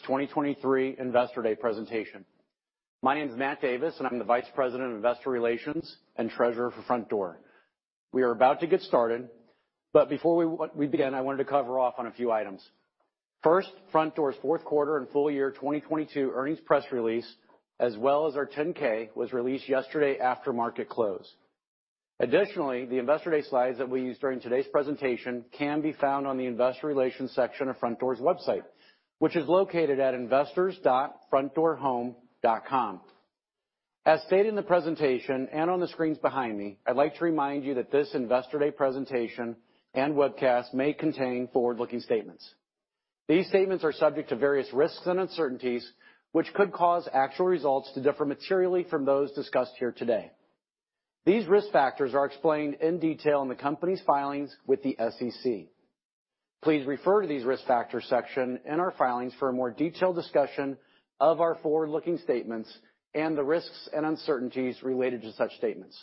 2023 Investor Day presentation. My name's Matt Davis. I'm the Vice President of Investor Relations and Treasurer for Frontdoor. We are about to get started. Before we begin, I wanted to cover off on a few items. First, Frontdoor's fourth quarter and full year 2022 earnings press release, as well as our 10-K was released yesterday after market close. The Investor Day slides that we use during today's presentation can be found on the investor relations section of Frontdoor's website, which is located at investors.frontdoorhome.com. As stated in the presentation and on the screens behind me, I'd like to remind you that this Investor Day presentation and webcast may contain forward-looking statements. These statements are subject to various risks and uncertainties, which could cause actual results to differ materially from those discussed here today. These risk factors are explained in detail in the company's filings with the SEC. Please refer to these risk factors section in our filings for a more detailed discussion of our forward-looking statements and the risks and uncertainties related to such statements.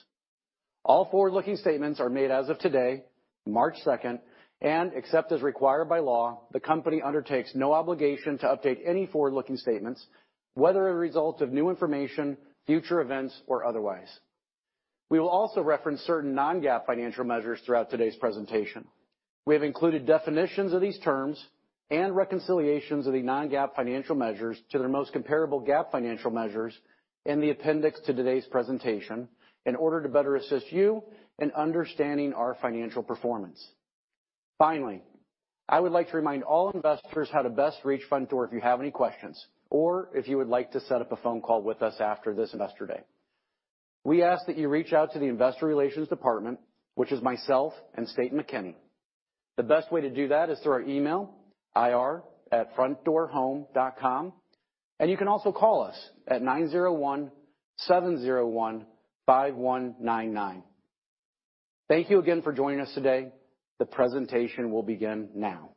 All forward-looking statements are made as of today, March second, and except as required by law, the company undertakes no obligation to update any forward-looking statements, whether a result of new information, future events, or otherwise. We will also reference certain non-GAAP financial measures throughout today's presentation. We have included definitions of these terms and reconciliations of the non-GAAP financial measures to their most comparable GAAP financial measures in the appendix to today's presentation in order to better assist you in understanding our financial performance. Finally, I would like to remind all investors how to best reach Frontdoor if you have any questions, or if you would like to set up a phone call with us after this Investor Day. We ask that you reach out to the investor relations department, which is myself and State McKinney. The best way to do that is through our email, IR@frontdoorhome.com. You can also call us at 901-701-5199. Thank you again for joining us today. The presentation will begin now.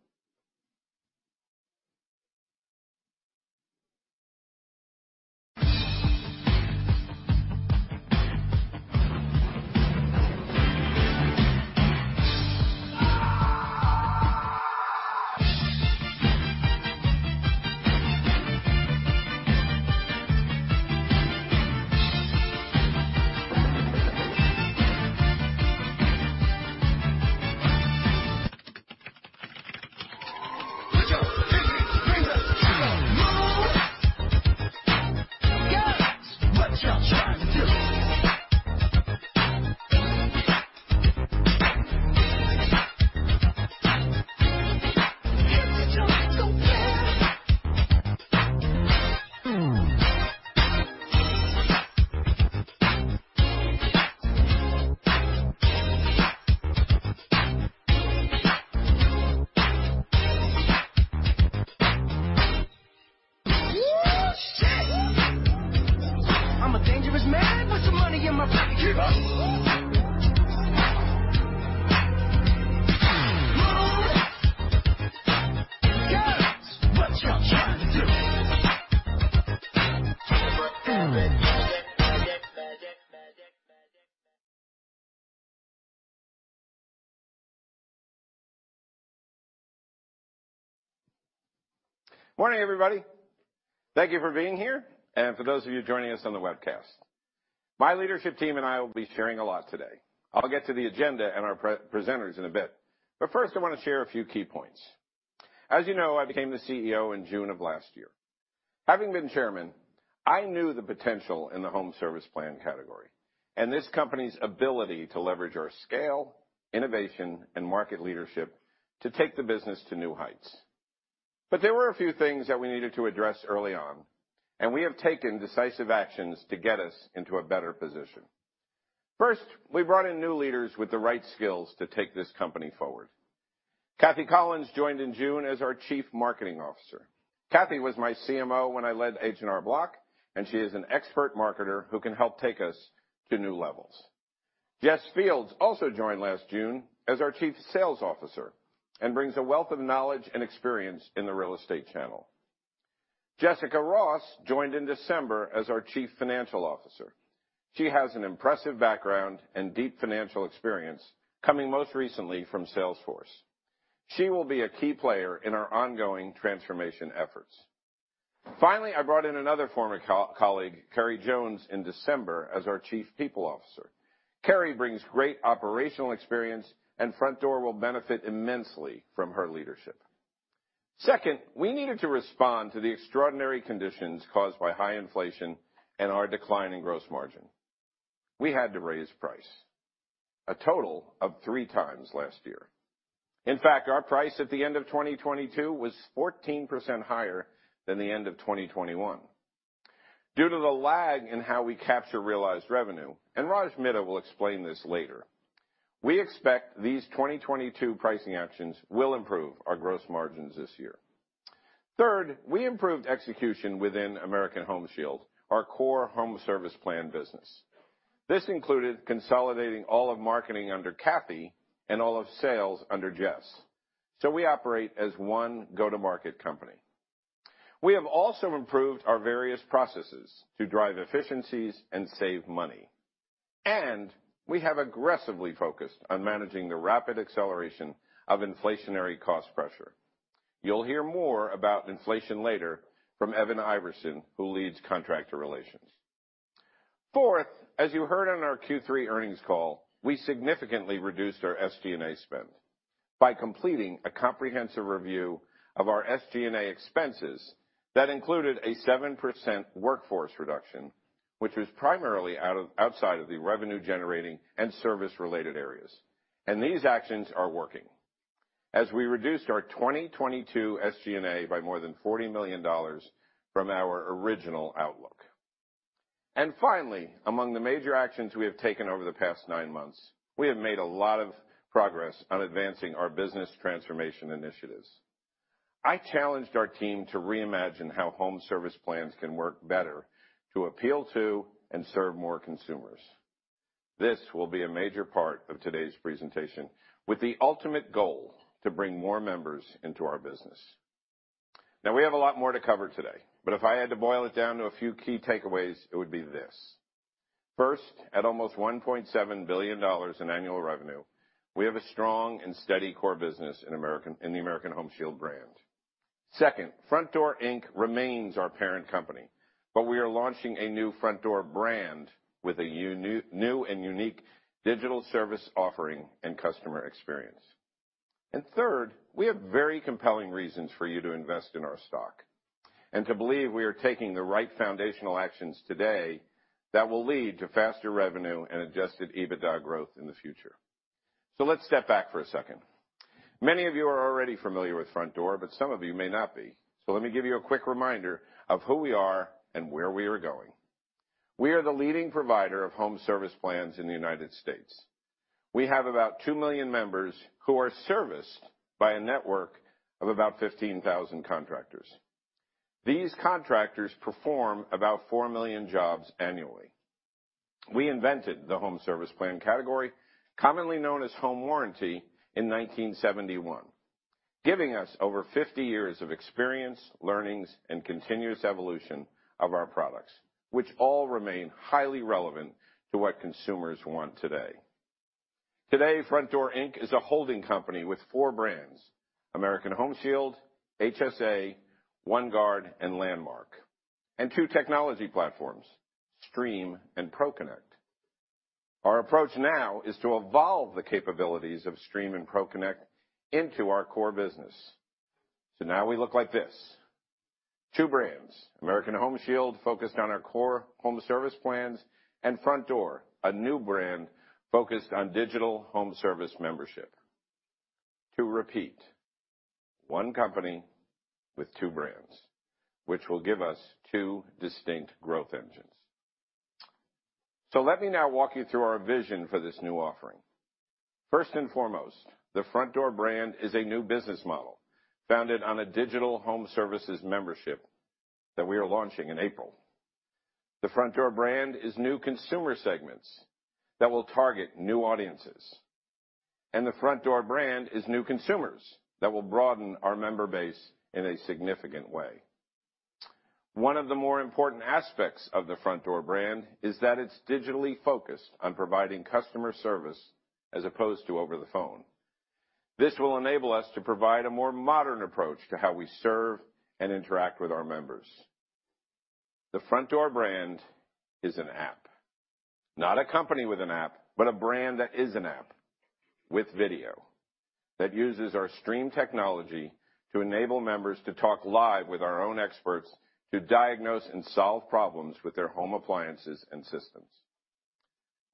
Good morning, everybody. Thank you for being here and for those of you joining us on the webcast. My leadership team and I will be sharing a lot today. I'll get to the agenda and our pre-presenters in a bit, first I wanna share a few key points. As you know, I became the CEO in June of last year. Having been chairman, I knew the potential in the home service plan category and this company's ability to leverage our scale, innovation, and market leadership to take the business to new heights. There were a few things that we needed to address early on, we have taken decisive actions to get us into a better position. First, we brought in new leaders with the right skills to take this company forward. Kathy Collins joined in June as our Chief Marketing Officer. Kathy was my CMO when I led H&R Block, and she is an expert marketer who can help take us to new levels. Jess Fields also joined last June as our Chief Sales Officer, and brings a wealth of knowledge and experience in the real estate channel. Jessica Ross joined in December as our Chief Financial Officer. She has an impressive background and deep financial experience coming most recently from Salesforce. She will be a key player in our ongoing transformation efforts. Finally, I brought in another former co-colleague, Kerri Jones, in December as our Chief People Officer. Kerri brings great operational experience, and Frontdoor will benefit immensely from her leadership. Second, we needed to respond to the extraordinary conditions caused by high inflation and our decline in gross margin. We had to raise price a total of three times last year. In fact, our price at the end of 2022 was 14% higher than the end of 2021. Due to the lag in how we capture realized revenue, and Raj Midha will explain this later, we expect these 2022 pricing actions will improve our gross margins this year. Third, we improved execution within American Home Shield, our core home service plan business. This included consolidating all of marketing under Kathy and all of sales under Jess. We operate as one go-to-market company. We have also improved our various processes to drive efficiencies and save money, and we have aggressively focused on managing the rapid acceleration of inflationary cost pressure. You'll hear more about inflation later from Evan Iverson, who leads contractor relations. Fourth, as you heard on our Q3 earnings call, we significantly reduced our SG&A spend by completing a comprehensive review of our SG&A expenses that included a 7% workforce reduction, which was primarily outside of the revenue-generating and service-related areas. These actions are working as we reduced our 2022 SG&A by more than $40 million from our original outlook. Finally, among the major actions we have taken over the past 9 months, we have made a lot of progress on advancing our business transformation initiatives. I challenged our team to reimagine how home service plans can work better to appeal to and serve more consumers. This will be a major part of today's presentation, with the ultimate goal to bring more members into our business. We have a lot more to cover today, but if I had to boil it down to a few key takeaways, it would be this. First, at almost $1.7 billion in annual revenue, we have a strong and steady core business in the American Home Shield brand. Second, Frontdoor, Inc. remains our parent company, but we are launching a new Frontdoor brand with a new and unique digital service offering and customer experience. Third, we have very compelling reasons for you to invest in our stock and to believe we are taking the right foundational actions today that will lead to faster revenue and adjusted EBITDA growth in the future. Let's step back for a second. Many of you are already familiar with Frontdoor, but some of you may not be. Let me give you a quick reminder of who we are and where we are going. We are the leading provider of home service plans in the United States. We have about 2 million members who are serviced by a network of about 15,000 contractors. These contractors perform about 4 million jobs annually. We invented the home service plan category, commonly known as home warranty, in 1971, giving us over 50 years of experience, learnings, and continuous evolution of our products, which all remain highly relevant to what consumers want today. Today, Frontdoor, Inc is a holding company with four brands, American Home Shield, HSA, OneGuard, and Landmark, and two technology platforms, Streem and ProConnect. Our approach now is to evolve the capabilities of Streem and ProConnect into our core business. Now we look like this. Two brands, American Home Shield, focused on our core home service plans, and Frontdoor, a new brand focused on digital home service membership. To repeat, one company with two brands, which will give us two distinct growth engines. Let me now walk you through our vision for this new offering. First and foremost, the Frontdoor brand is a new business model founded on a digital home services membership that we are launching in April. The Frontdoor brand is new consumer segments that will target new audiences, and the Frontdoor brand is new consumers that will broaden our member base in a significant way. One of the more important aspects of the Frontdoor brand is that it's digitally focused on providing customer service as opposed to over the phone. This will enable us to provide a more modern approach to how we serve and interact with our members. The Frontdoor brand is an app, not a company with an app, but a brand that is an app with video that uses our Streem technology to enable members to talk live with our own experts to diagnose and solve problems with their home appliances and systems.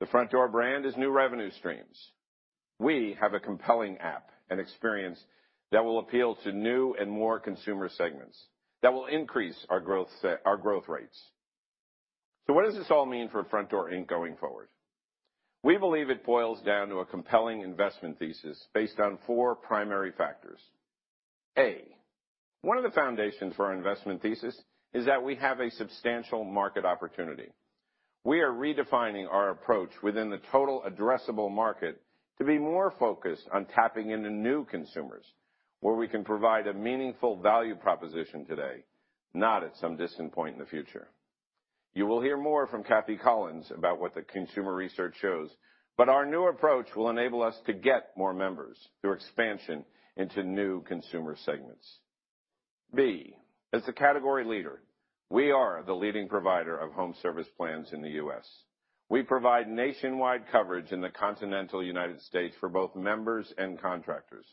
The Frontdoor brand is new revenue streams. We have a compelling app and experience that will appeal to new and more consumer segments that will increase our growth rates. What does this all mean for Frontdoor, Inc. going forward? We believe it boils down to a compelling investment thesis based on four primary factors. A, one of the foundations for our investment thesis is that we have a substantial market opportunity. We are redefining our approach within the total addressable market to be more focused on tapping into new consumers, where we can provide a meaningful value proposition today, not at some distant point in the future. You will hear more from Kathy Collins about what the consumer research shows. Our new approach will enable us to get more members through expansion into new consumer segments. B, as a category leader, we are the leading provider of home service plans in the U.S. We provide nationwide coverage in the continental United States for both members and contractors.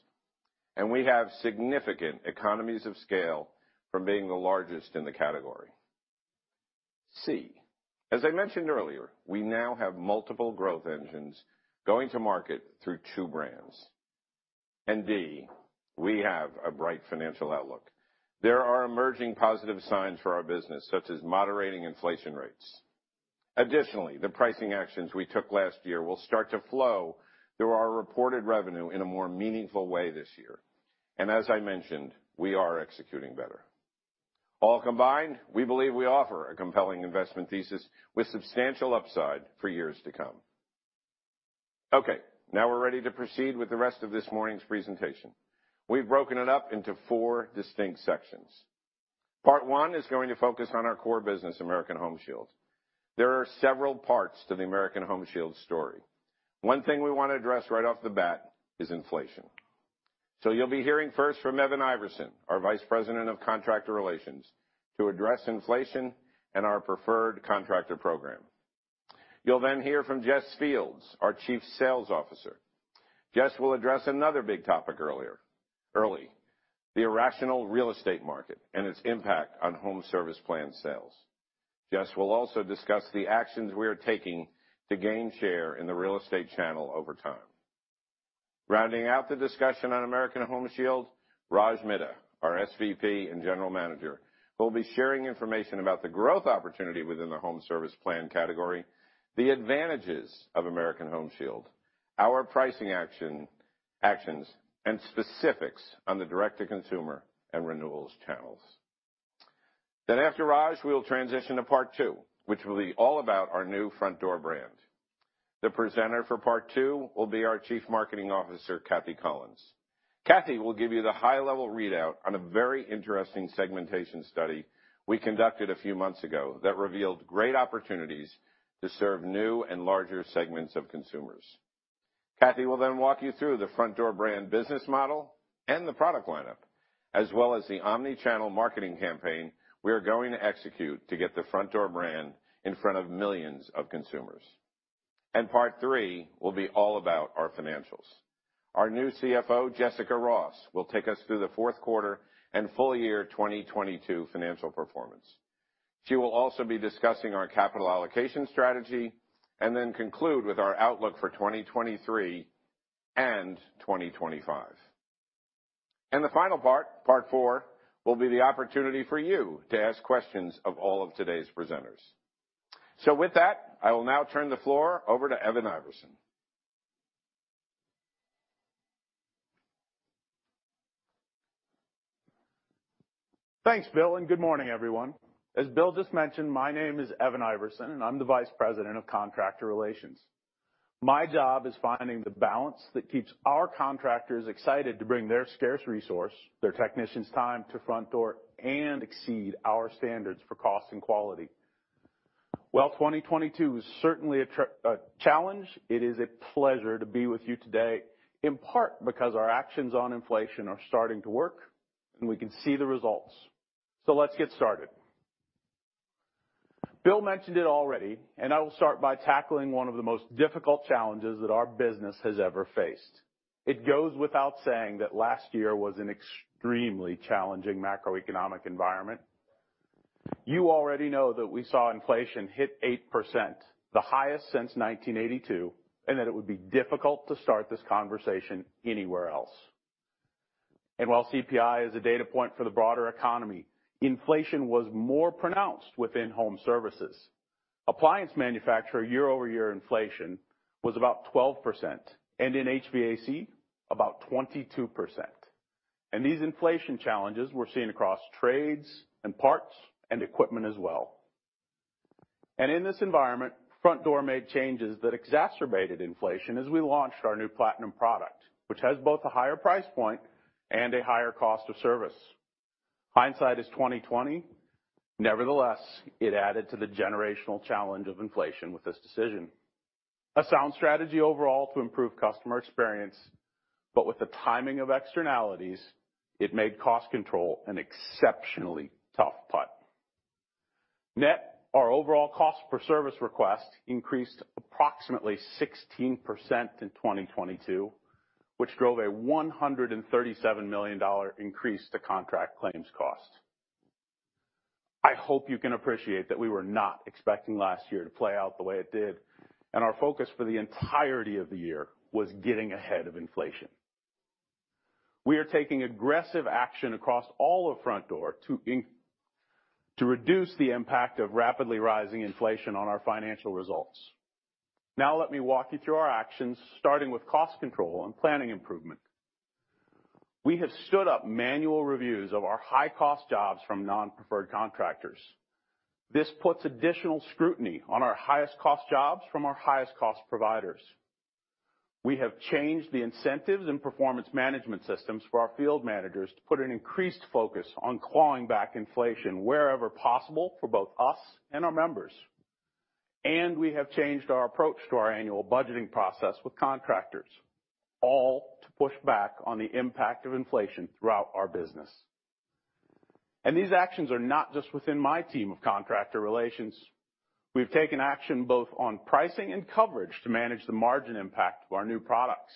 We have significant economies of scale from being the largest in the category. C, as I mentioned earlier, we now have multiple growth engines going to market through two brands. D, we have a bright financial outlook. There are emerging positive signs for our business, such as moderating inflation rates. Additionally, the pricing actions we took last year will start to flow through our reported revenue in a more meaningful way this year. As I mentioned, we are executing better. All combined, we believe we offer a compelling investment thesis with substantial upside for years to come. Now we're ready to proceed with the rest of this morning's presentation. We've broken it up into 4 distinct sections. Part 1 is going to focus on our core business, American Home Shield. There are several parts to the American Home Shield story. One thing we wanna address right off the bat is inflation. You'll be hearing first from Evan Iverson, our Vice President of Contractor Relations, to address inflation and our preferred contractor program. You'll then hear from Jess Fields, our Chief Sales Officer. Jess will address another big topic early, the irrational real estate market and its impact on home service plan sales. Jess will also discuss the actions we are taking to gain share in the real estate channel over time. Rounding out the discussion on American Home Shield, Raj Midha, our SVP and general manager, will be sharing information about the growth opportunity within the home service plan category, the advantages of American Home Shield, our pricing actions, and specifics on the direct-to-consumer and renewals channels. After Raj, we will transition to part two, which will be all about our new Frontdoor brand. The presenter for part two will be our Chief Marketing Officer, Kathy Collins. Kathy will give you the high-level readout on a very interesting segmentation study we conducted a few months ago that revealed great opportunities to serve new and larger segments of consumers. Kathy will then walk you through the Frontdoor brand business model and the product lineup, as well as the omni-channel marketing campaign we are going to execute to get the Frontdoor brand in front of millions of consumers. Part three will be all about our financials. Our new CFO, Jessica Ross, will take us through the fourth quarter and full year 2022 financial performance. She will also be discussing our capital allocation strategy and then conclude with our outlook for 2023 and 2025. The final part four, will be the opportunity for you to ask questions of all of today's presenters. With that, I will now turn the floor over to Evan Iverson. Thanks, Bill, and good morning, everyone. As Bill just mentioned, my name is Evan Iverson, and I'm the Vice President of Contractor Relations. My job is finding the balance that keeps our contractors excited to bring their scarce resource, their technicians' time to Frontdoor and exceed our standards for cost and quality. While 2022 was certainly a challenge, it is a pleasure to be with you today, in part because our actions on inflation are starting to work, and we can see the results. Let's get started. Bill mentioned it already. I will start by tackling one of the most difficult challenges that our business has ever faced. It goes without saying that last year was an extremely challenging macroeconomic environment. You already know that we saw inflation hit 8%, the highest since 1982, that it would be difficult to start this conversation anywhere else. While CPI is a data point for the broader economy, inflation was more pronounced within home services. Appliance manufacturer year-over-year inflation was about 12%, and in HVAC, about 22%. These inflation challenges we're seeing across trades and parts and equipment as well. In this environment, Frontdoor made changes that exacerbated inflation as we launched our new ShieldPlatinum product, which has both a higher price point and a higher cost of service. Hindsight is 20/20. Nevertheless, it added to the generational challenge of inflation with this decision. A sound strategy overall to improve customer experience, with the timing of externalities, it made cost control an exceptionally tough putt. Net, our overall cost per service request increased approximately 16% in 2022, which drove a $137 million increase to contract claims cost. I hope you can appreciate that we were not expecting last year to play out the way it did, and our focus for the entirety of the year was getting ahead of inflation. We are taking aggressive action across all of Frontdoor to reduce the impact of rapidly rising inflation on our financial results. Let me walk you through our actions, starting with cost control and planning improvement. We have stood up manual reviews of our high-cost jobs from non-preferred contractors. This puts additional scrutiny on our highest-cost jobs from our highest-cost providers. We have changed the incentives and performance management systems for our field managers to put an increased focus on clawing back inflation wherever possible for both us and our members. We have changed our approach to our annual budgeting process with contractors, all to push back on the impact of inflation throughout our business. These actions are not just within my team of contractor relations. We've taken action both on pricing and coverage to manage the margin impact of our new products.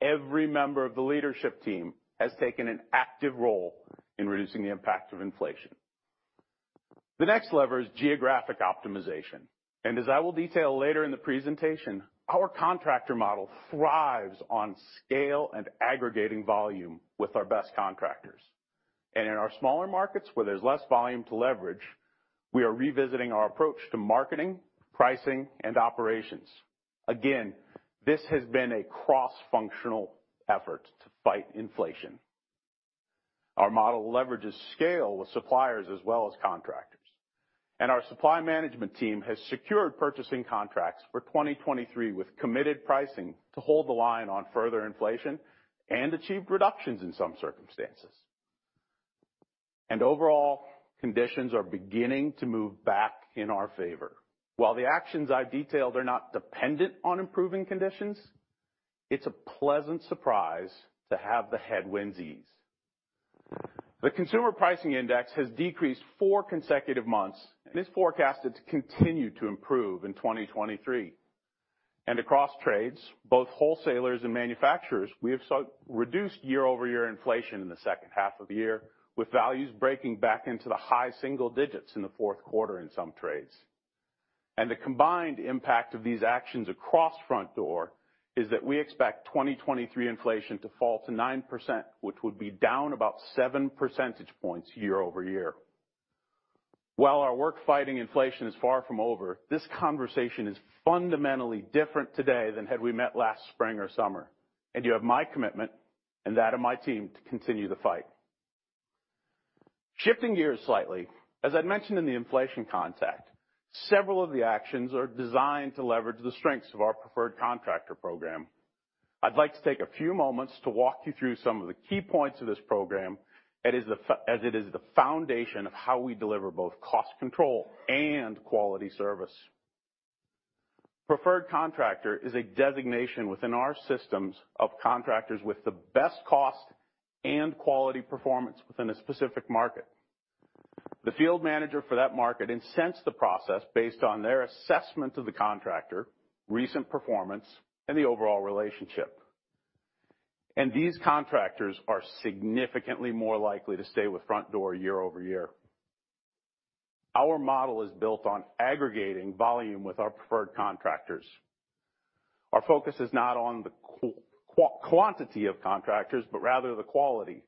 Every member of the leadership team has taken an active role in reducing the impact of inflation. The next lever is geographic optimization. As I will detail later in the presentation, our contractor model thrives on scale and aggregating volume with our best contractors. In our smaller markets where there's less volume to leverage, we are revisiting our approach to marketing, pricing, and operations. This has been a cross-functional effort to fight inflation. Our model leverages scale with suppliers as well as contractors. Our supply management team has secured purchasing contracts for 2023 with committed pricing to hold the line on further inflation and achieve reductions in some circumstances. Overall, conditions are beginning to move back in our favor. While the actions I've detailed are not dependent on improving conditions, it's a pleasant surprise to have the headwinds ease. The consumer pricing index has decreased four consecutive months, and is forecasted to continue to improve in 2023. Across trades, both wholesalers and manufacturers, we have reduced year-over-year inflation in the second half of the year, with values breaking back into the high single digits in the fourth quarter in some trades. The combined impact of these actions across Frontdoor is that we expect 2023 inflation to fall to 9%, which would be down about seven percentage points year-over-year. While our work fighting inflation is far from over, this conversation is fundamentally different today than had we met last spring or summer, and you have my commitment and that of my team to continue the fight. Shifting gears slightly, as I'd mentioned in the inflation context, several of the actions are designed to leverage the strengths of our preferred contractor program. I'd like to take a few moments to walk you through some of the key points of this program. As it is the foundation of how we deliver both cost control and quality service. Preferred contractor is a designation within our systems of contractors with the best cost and quality performance within a specific market. The field manager for that market incents the process based on their assessment of the contractor, recent performance, and the overall relationship. These contractors are significantly more likely to stay with Frontdoor year-over-year. Our model is built on aggregating volume with our preferred contractors. Our focus is not on the quantity of contractors, but rather the quality.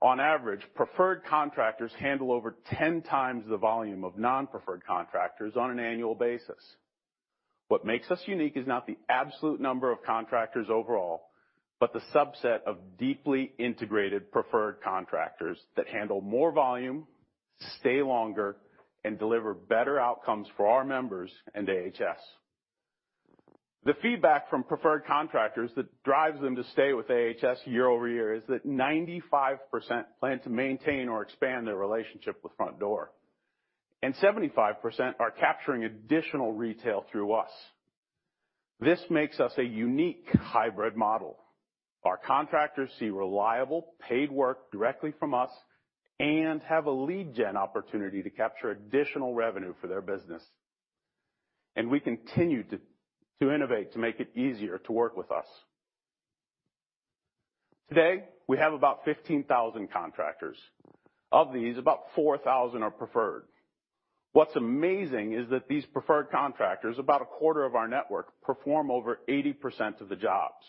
On average, preferred contractors handle over 10 times the volume of non-preferred contractors on an annual basis. What makes us unique is not the absolute number of contractors overall, but the subset of deeply integrated preferred contractors that handle more volume, stay longer, and deliver better outcomes for our members and AHS. The feedback from preferred contractors that drives them to stay with AHS year-over-year is that 95% plan to maintain or expand their relationship with Frontdoor, and 75% are capturing additional retail through us. This makes us a unique hybrid model. Our contractors see reliable paid work directly from us and have a lead gen opportunity to capture additional revenue for their business. We continue to innovate to make it easier to work with us. Today, we have about 15,000 contractors. Of these, about 4,000 are preferred. What's amazing is that these preferred contractors, about a quarter of our network, perform over 80% of the jobs.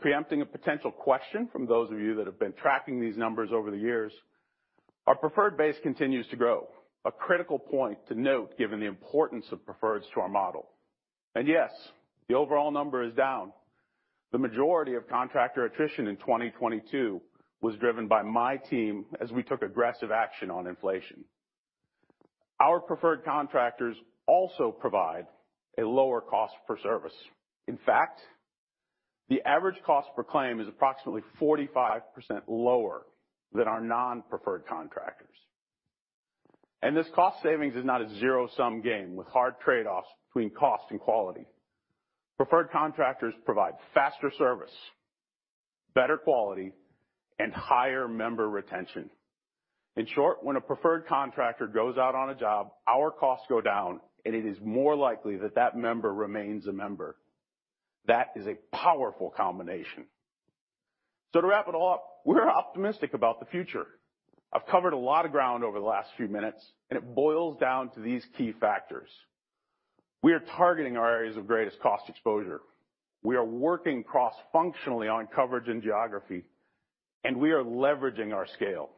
Preempting a potential question from those of you that have been tracking these numbers over the years, our preferred base continues to grow, a critical point to note given the importance of preferreds to our model. Yes, the overall number is down. The majority of contractor attrition in 2022 was driven by my team as we took aggressive action on inflation. Our preferred contractors also provide a lower cost per service. In fact, the average cost per claim is approximately 45% lower than our non-preferred contractors. This cost savings is not a zero-sum game with hard trade-offs between cost and quality. Preferred contractors provide faster service, better quality, and higher member retention. In short, when a preferred contractor goes out on a job, our costs go down, and it is more likely that that member remains a member. That is a powerful combination. To wrap it all up, we're optimistic about the future. I've covered a lot of ground over the last few minutes, and it boils down to these key factors. We are targeting our areas of greatest cost exposure. We are working cross-functionally on coverage and geography, and we are leveraging our scale.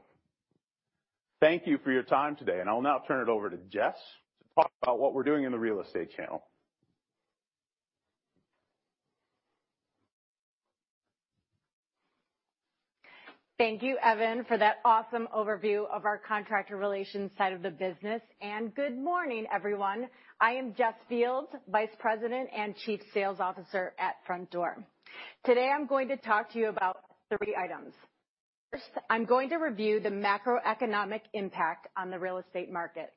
Thank you for your time today, and I'll now turn it over to Jess to talk about what we're doing in the real estate channel. Thank you, Evan, for that awesome overview of our contractor relations side of the business. Good morning, everyone. I am Jess Fields, Vice President and Chief Sales Officer at Frontdoor. Today, I'm going to talk to you about three items. First, I'm going to review the macroeconomic impact on the real estate market.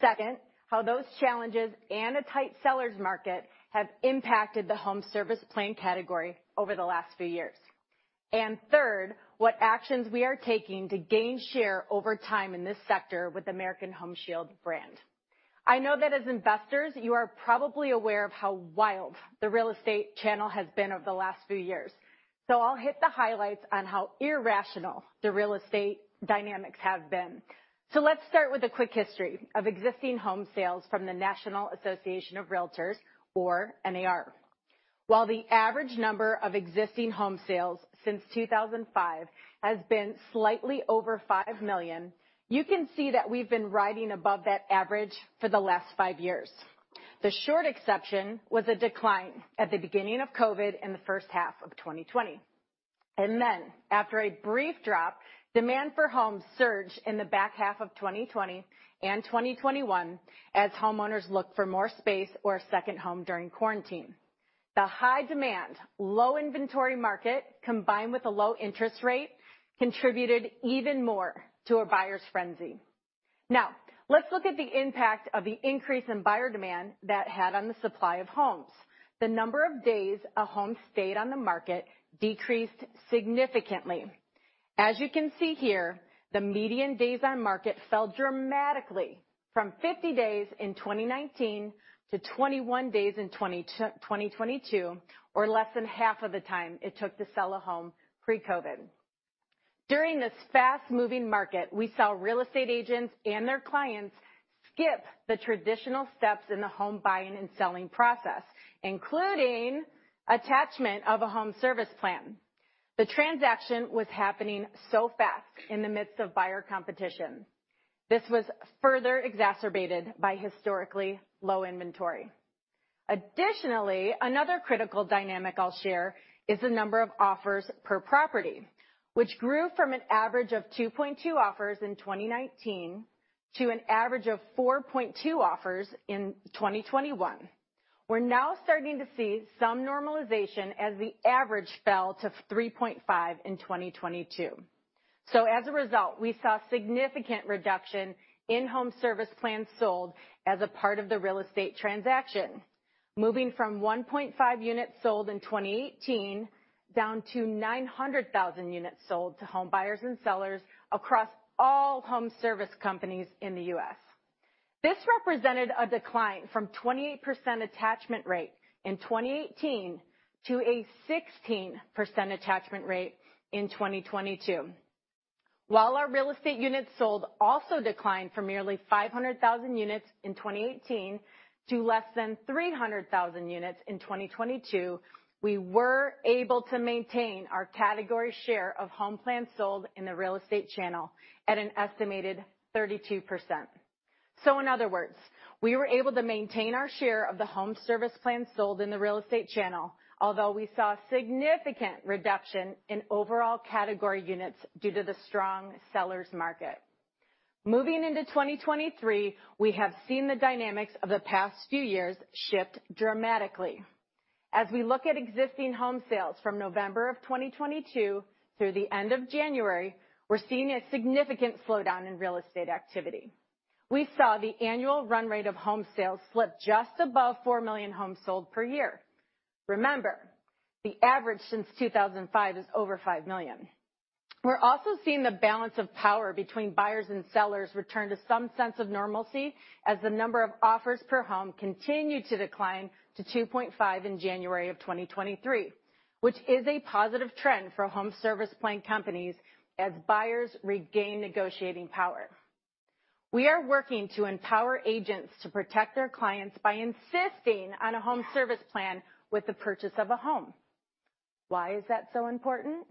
Second, how those challenges and a tight sellers market have impacted the home service plan category over the last few years. Third, what actions we are taking to gain share over time in this sector with the American Home Shield brand. I know that as investors, you are probably aware of how wild the real estate channel has been over the last few years. I'll hit the highlights on how irrational the real estate dynamics have been. Let's start with a quick history of existing home sales from the National Association of REALTORS, or NAR. While the average number of existing home sales since 2005 has been slightly over 5 million, you can see that we've been riding above that average for the last five years. The short exception was a decline at the beginning of COVID in the first half of 2020. After a brief drop, demand for homes surged in the back half of 2020 and 2021 as homeowners looked for more space or a second home during quarantine. The high demand, low inventory market, combined with a low interest rate, contributed even more to a buyer's frenzy. Let's look at the impact of the increase in buyer demand that had on the supply of homes. The number of days a home stayed on the market decreased significantly. As you can see here, the median days on market fell dramatically from 50 days in 2019 to 21 days in 2022, or less than half of the time it took to sell a home pre-COVID. During this fast-moving market, we saw real estate agents and their clients skip the traditional steps in the home buying and selling process, including attachment of a home service plan. The transaction was happening so fast in the midst of buyer competition. This was further exacerbated by historically low inventory. Additionally, another critical dynamic I'll share is the number of offers per property, which grew from an average of 2.2 offers in 2019 to an average of 4.2 offers in 2021. We're now starting to see some normalization as the average fell to 3.5 in 2022. As a result, we saw significant reduction in home service plans sold as a part of the real estate transaction. Moving from 1.5 units sold in 2018 down to 900,000 units sold to home buyers and sellers across all home service companies in the U.S. This represented a decline from 28% attachment rate in 2018 to a 16% attachment rate in 2022. While our real estate units sold also declined from nearly 500,000 units in 2018 to less than 300,000 units in 2022, we were able to maintain our category share of home plans sold in the real estate channel at an estimated 32%. In other words, we were able to maintain our share of the home service plans sold in the real estate channel, although we saw significant reduction in overall category units due to the strong sellers market. Moving into 2023, we have seen the dynamics of the past few years shift dramatically. As we look at existing home sales from November of 2022 through the end of January, we're seeing a significant slowdown in real estate activity. We saw the annual run rate of home sales slip just above 4 million homes sold per year. Remember, the average since 2005 is over 5 million. We're also seeing the balance of power between buyers and sellers return to some sense of normalcy as the number of offers per home continued to decline to 2.5 in January 2023, which is a positive trend for home service plan companies as buyers regain negotiating power. We are working to empower agents to protect their clients by insisting on a home service plan with the purchase of a home. Why is that so important?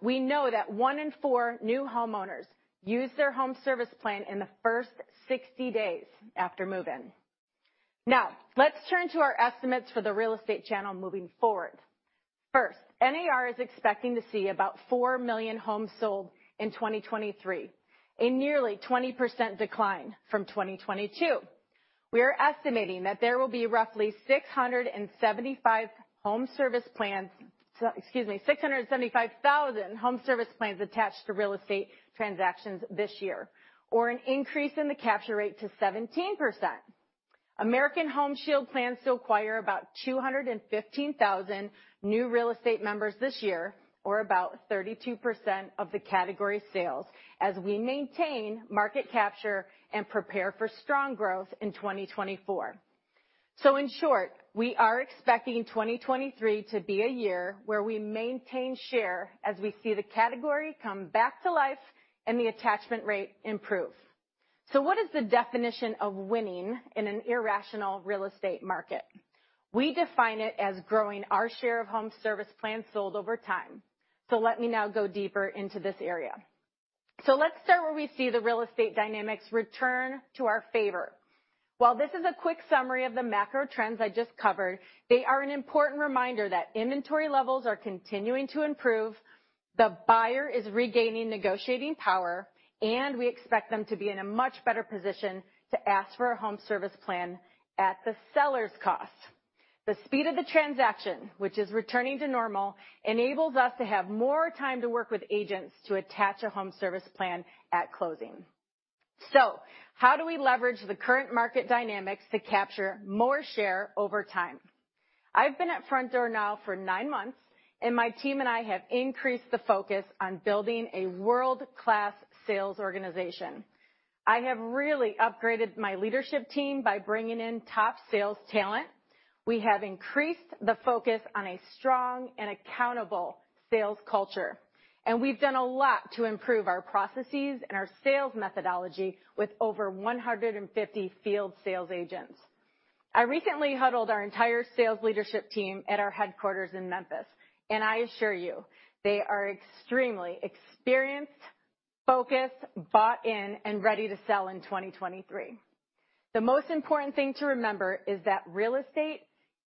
We know that 1 in 4 new homeowners use their home service plan in the first 60 days after move-in. Let's turn to our estimates for the real estate channel moving forward. NAR is expecting to see about 4 million homes sold in 2023, a nearly 20% decline from 2022. We are estimating that there will be roughly 675 home service plans, excuse me, 675,000 home service plans attached to real estate transactions this year, or an increase in the capture rate to 17%. American Home Shield plans to acquire about 215,000 new real estate members this year, or about 32% of the category sales, as we maintain market capture and prepare for strong growth in 2024. In short, we are expecting 2023 to be a year where we maintain share as we see the category come back to life and the attachment rate improve. What is the definition of winning in an irrational real estate market? We define it as growing our share of home service plans sold over time. Let me now go deeper into this area. Let's start where we see the real estate dynamics return to our favor. While this is a quick summary of the macro trends I just covered, they are an important reminder that inventory levels are continuing to improve, the buyer is regaining negotiating power, and we expect them to be in a much better position to ask for a home service plan at the seller's cost. The speed of the transaction, which is returning to normal, enables us to have more time to work with agents to attach a home service plan at closing. How do we leverage the current market dynamics to capture more share over time? I've been at Frontdoor now for nine months, and my team and I have increased the focus on building a world-class sales organization. I have really upgraded my leadership team by bringing in top sales talent. We have increased the focus on a strong and accountable sales culture, we've done a lot to improve our processes and our sales methodology with over 150 field sales agents. I recently huddled our entire sales leadership team at our headquarters in Memphis, I assure you, they are extremely experienced, focused, bought in, and ready to sell in 2023. The most important thing to remember is that real estate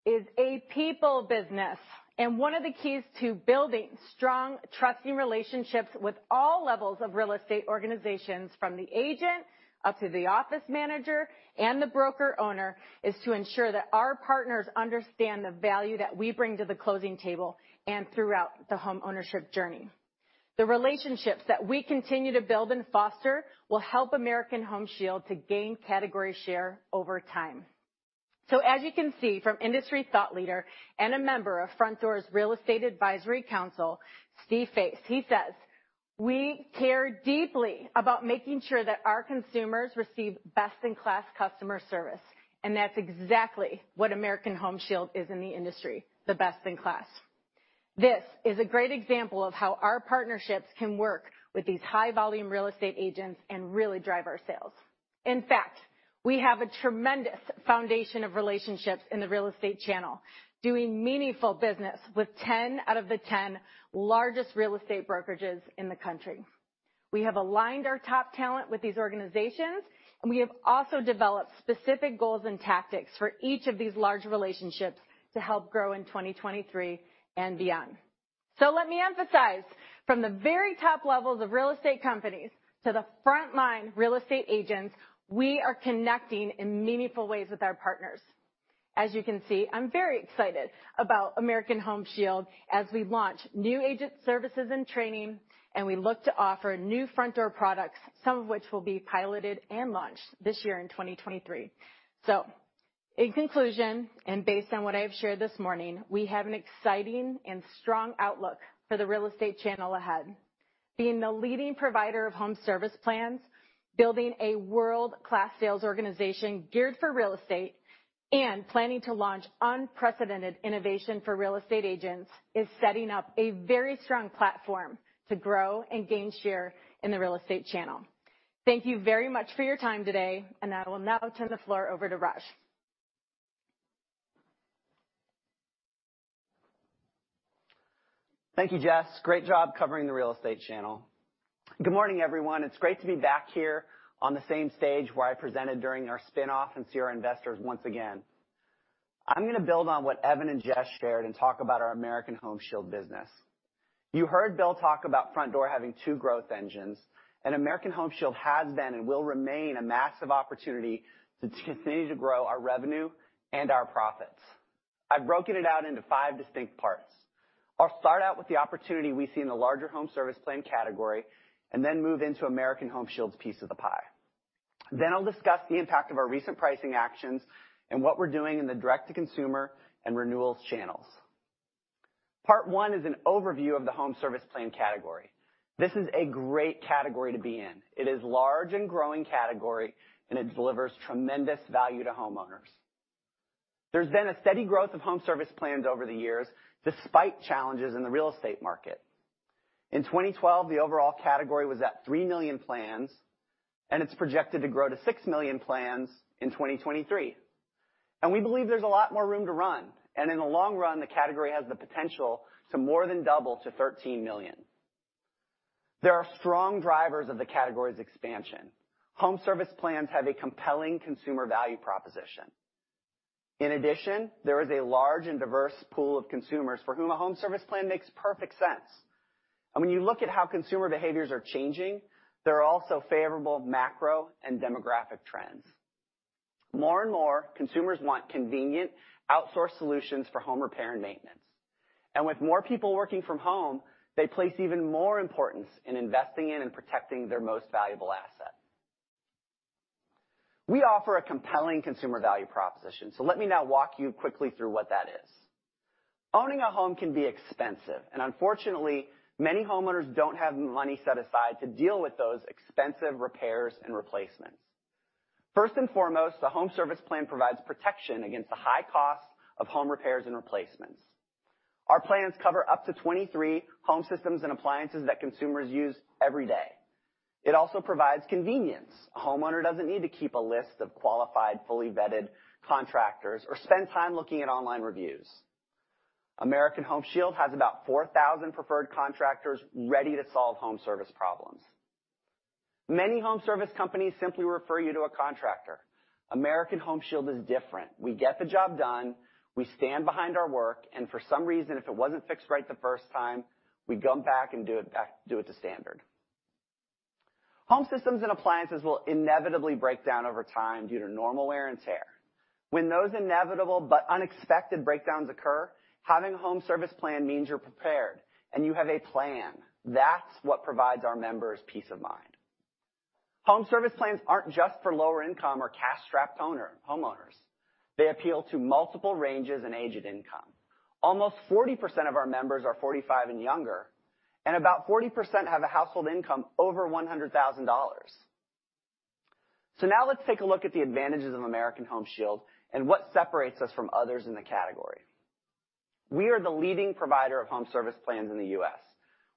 is a people business, one of the keys to building strong, trusting relationships with all levels of real estate organizations, from the agent up to the office manager and the broker owner, is to ensure that our partners understand the value that we bring to the closing table and throughout the homeownership journey. The relationships that we continue to build and foster will help American Home Shield to gain category share over time. As you can see from industry thought leader and a member of Frontdoor's Real Estate Advisory Council, Steve Faith. He says, "We care deeply about making sure that our consumers receive best-in-class customer service." That's exactly what American Home Shield is in the industry, the best in class. This is a great example of how our partnerships can work with these high-volume real estate agents and really drive our sales. In fact, we have a tremendous foundation of relationships in the real estate channel, doing meaningful business with 10 out of the 10 largest real estate brokerages in the country. We have aligned our top talent with these organizations, and we have also developed specific goals and tactics for each of these large relationships to help grow in 2023 and beyond. Let me emphasize, from the very top levels of real estate companies to the front line real estate agents, we are connecting in meaningful ways with our partners. As you can see, I'm very excited about American Home Shield as we launch new agent services and training, and we look to offer new Frontdoor products, some of which will be piloted and launched this year in 2023. In conclusion, and based on what I've shared this morning, we have an exciting and strong outlook for the real estate channel ahead. Being the leading provider of home service plans, building a world-class sales organization geared for real estate and planning to launch unprecedented innovation for real estate agents is setting up a very strong platform to grow and gain share in the real estate channel. Thank you very much for your time today, and I will now turn the floor over to Raj. Thank you, Jess. Great job covering the real estate channel. Good morning, everyone. It's great to be back here on the same stage where I presented during our spin-off and see our investors once again. I'm gonna build on what Evan and Jess shared and talk about our American Home Shield business. You heard Bill talk about Frontdoor having two growth engines, and American Home Shield has been and will remain a massive opportunity to continue to grow our revenue and our profits. I've broken it out into 5 distinct parts. I'll start out with the opportunity we see in the larger home service plan category and then move into American Home Shield's piece of the pie. Then I'll discuss the impact of our recent pricing actions and what we're doing in the direct-to-consumer and renewals channels. Part 1 is an overview of the home service plan category. This is a great category to be in. It is large and growing category, and it delivers tremendous value to homeowners. There's been a steady growth of home service plans over the years, despite challenges in the real estate market. In 2012, the overall category was at 3 million plans, and it's projected to grow to 6 million plans in 2023. We believe there's a lot more room to run, and in the long run, the category has the potential to more than double to 13 million. There are strong drivers of the category's expansion. Home service plans have a compelling consumer value proposition. In addition, there is a large and diverse pool of consumers for whom a home service plan makes perfect sense. When you look at how consumer behaviors are changing, there are also favorable macro and demographic trends. More and more consumers want convenient outsourced solutions for home repair and maintenance. With more people working from home, they place even more importance in investing in and protecting their most valuable asset. We offer a compelling consumer value proposition, let me now walk you quickly through what that is. Owning a home can be expensive, unfortunately, many homeowners don't have money set aside to deal with those expensive repairs and replacements. First and foremost, the home service plan provides protection against the high cost of home repairs and replacements. Our plans cover up to 23 home systems and appliances that consumers use every day. It also provides convenience. A homeowner doesn't need to keep a list of qualified, fully vetted contractors or spend time looking at online reviews. American Home Shield has about 4,000 preferred contractors ready to solve home service problems. Many home service companies simply refer you to a contractor. American Home Shield is different. We get the job done, we stand behind our work, for some reason, if it wasn't fixed right the first time, we go back and do it to standard. Home systems and appliances will inevitably break down over time due to normal wear and tear. When those inevitable but unexpected breakdowns occur, having a home service plan means you're prepared and you have a plan. That's what provides our members peace of mind. Home service plans aren't just for lower-income or cash-strapped homeowners. They appeal to multiple ranges in age and income. Almost 40% of our members are 45 and younger, and about 40% have a household income over $100,000. Now let's take a look at the advantages of American Home Shield and what separates us from others in the category. We are the leading provider of home service plans in the U.S.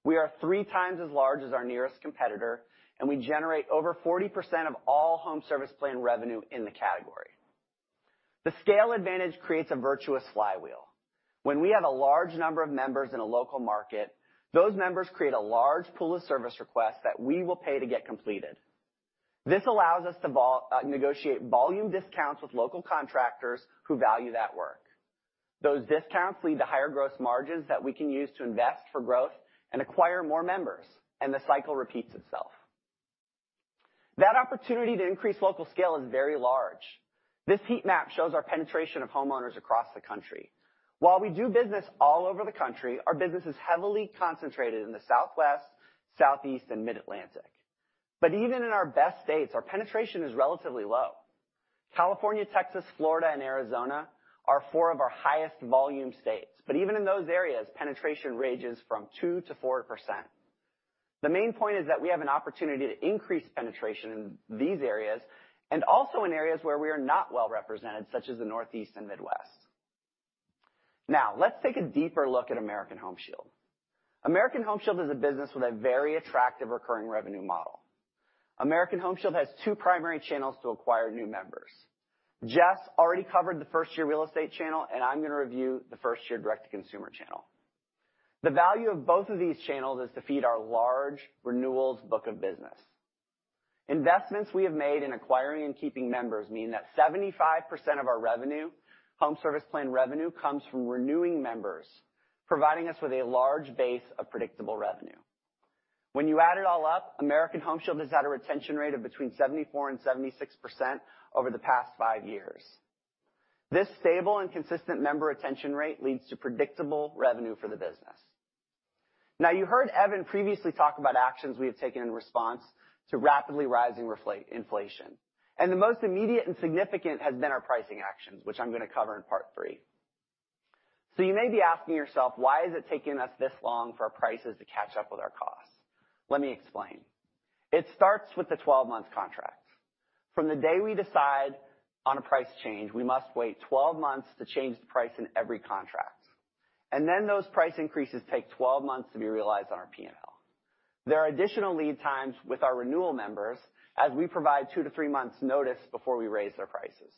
We are 3x as large as our nearest competitor. We generate over 40% of all home service plan revenue in the category. The scale advantage creates a virtuous flywheel. When we have a large number of members in a local market, those members create a large pool of service requests that we will pay to get completed. This allows us to negotiate volume discounts with local contractors who value that work. Those discounts lead to higher gross margins that we can use to invest for growth and acquire more members. The cycle repeats itself. That opportunity to increase local scale is very large. This heat map shows our penetration of homeowners across the country. While we do business all over the country, our business is heavily concentrated in the Southwest, Southeast, and Mid-Atlantic. Even in our best states, our penetration is relatively low. California, Texas, Florida, and Arizona are four of our highest volume states, but even in those areas, penetration ranges from 2%-4%. The main point is that we have an opportunity to increase penetration in these areas and also in areas where we are not well-represented, such as the Northeast and Midwest. Let's take a deeper look at American Home Shield. American Home Shield is a business with a very attractive recurring revenue model. American Home Shield has two primary channels to acquire new members. Jess already covered the first-year real estate channel, and I'm gonna review the first-year direct-to-consumer channel. The value of both of these channels is to feed our large renewals book of business. Investments we have made in acquiring and keeping members mean that 75% of our revenue, home service plan revenue, comes from renewing members, providing us with a large base of predictable revenue. When you add it all up, American Home Shield is at a retention rate of between 74% and 76% over the past five years. This stable and consistent member retention rate leads to predictable revenue for the business. You heard Evan previously talk about actions we have taken in response to rapidly rising inflation, and the most immediate and significant has been our pricing actions, which I'm gonna cover in part 3. You may be asking yourself, "Why is it taking us this long for our prices to catch up with our costs?" Let me explain. It starts with the 12-month contracts. From the day we decide on a price change, we must wait 12 months to change the price in every contract. Then those price increases take 12 months to be realized on our P&L. There are additional lead times with our renewal members, as we provide two to three months notice before we raise their prices.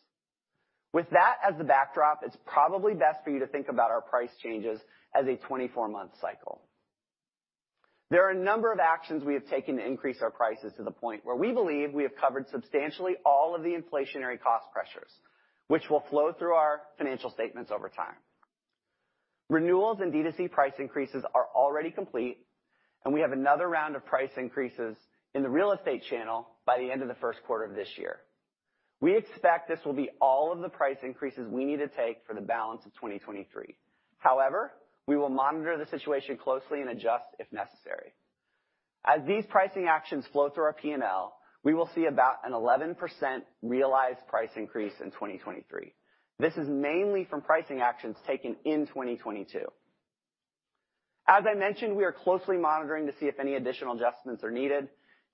With that as the backdrop, it's probably best for you to think about our price changes as a 24-month cycle. There are a number of actions we have taken to increase our prices to the point where we believe we have covered substantially all of the inflationary cost pressures, which will flow through our financial statements over time. Renewals and D2C price increases are already complete, and we have another round of price increases in the real estate channel by the end of the first quarter of this year. We expect this will be all of the price increases we need to take for the balance of 2023. However, we will monitor the situation closely and adjust if necessary. As these pricing actions flow through our P&L, we will see about an 11% realized price increase in 2023. This is mainly from pricing actions taken in 2022. As I mentioned, we are closely monitoring to see if any additional adjustments are needed,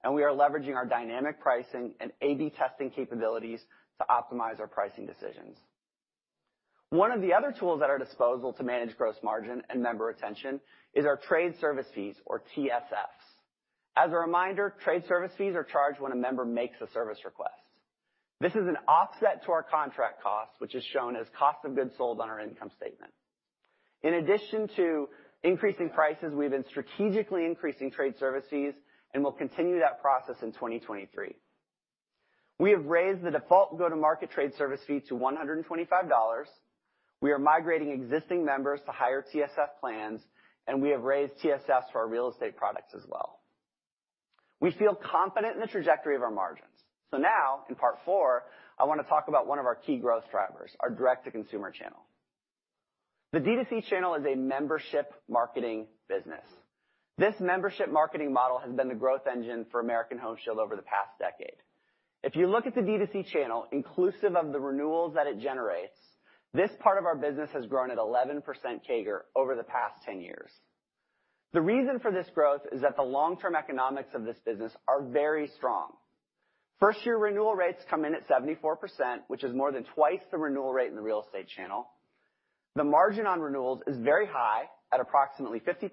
and we are leveraging our dynamic pricing and A/B testing capabilities to optimize our pricing decisions. One of the other tools at our disposal to manage gross margin and member retention is our trade service fees, or TSFs. A reminder, trade service fees are charged when a member makes a service request. This is an offset to our contract cost, which is shown as cost of goods sold on our income statement. In addition to increasing prices, we've been strategically increasing trade service fees. We'll continue that process in 2023. We have raised the default go-to-market trade service fee to $125. We are migrating existing members to higher TSF plans. We have raised TSFs for our real estate products as well. We feel confident in the trajectory of our margins. Now, in part 4, I wanna talk about one of our key growth drivers, our direct-to-consumer channel. The D2C channel is a membership marketing business. This membership marketing model has been the growth engine for American Home Shield over the past decade. If you look at the D2C channel, inclusive of the renewals that it generates, this part of our business has grown at 11% CAGR over the past 10 years. The reason for this growth is that the long-term economics of this business are very strong. First-year renewal rates come in at 74%, which is more than twice the renewal rate in the real estate channel. The margin on renewals is very high at approximately 50%.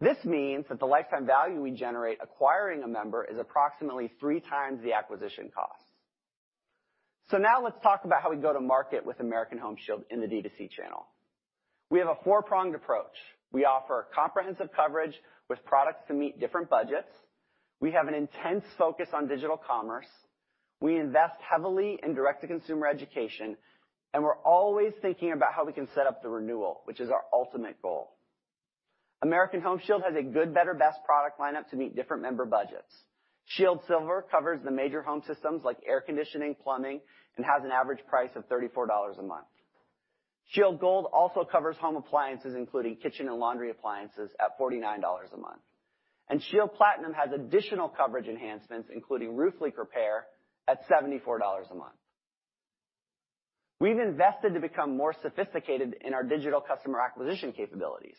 This means that the lifetime value we generate acquiring a member is approximately 3x the acquisition cost. Now let's talk about how we go to market with American Home Shield in the D2C channel. We have a four-pronged approach. We offer comprehensive coverage with products to meet different budgets. We have an intense focus on digital commerce. We invest heavily in direct-to-consumer education, and we're always thinking about how we can set up the renewal, which is our ultimate goal. American Home Shield has a good better, best product lineup to meet different member budgets. ShieldSilver covers the major home systems like air conditioning, plumbing, and has an average price of $34 a month. ShieldGold also covers home appliances, including kitchen and laundry appliances, at $49 a month. ShieldPlatinum has additional coverage enhancements, including roof leak repair at $74 a month. We've invested to become more sophisticated in our digital customer acquisition capabilities.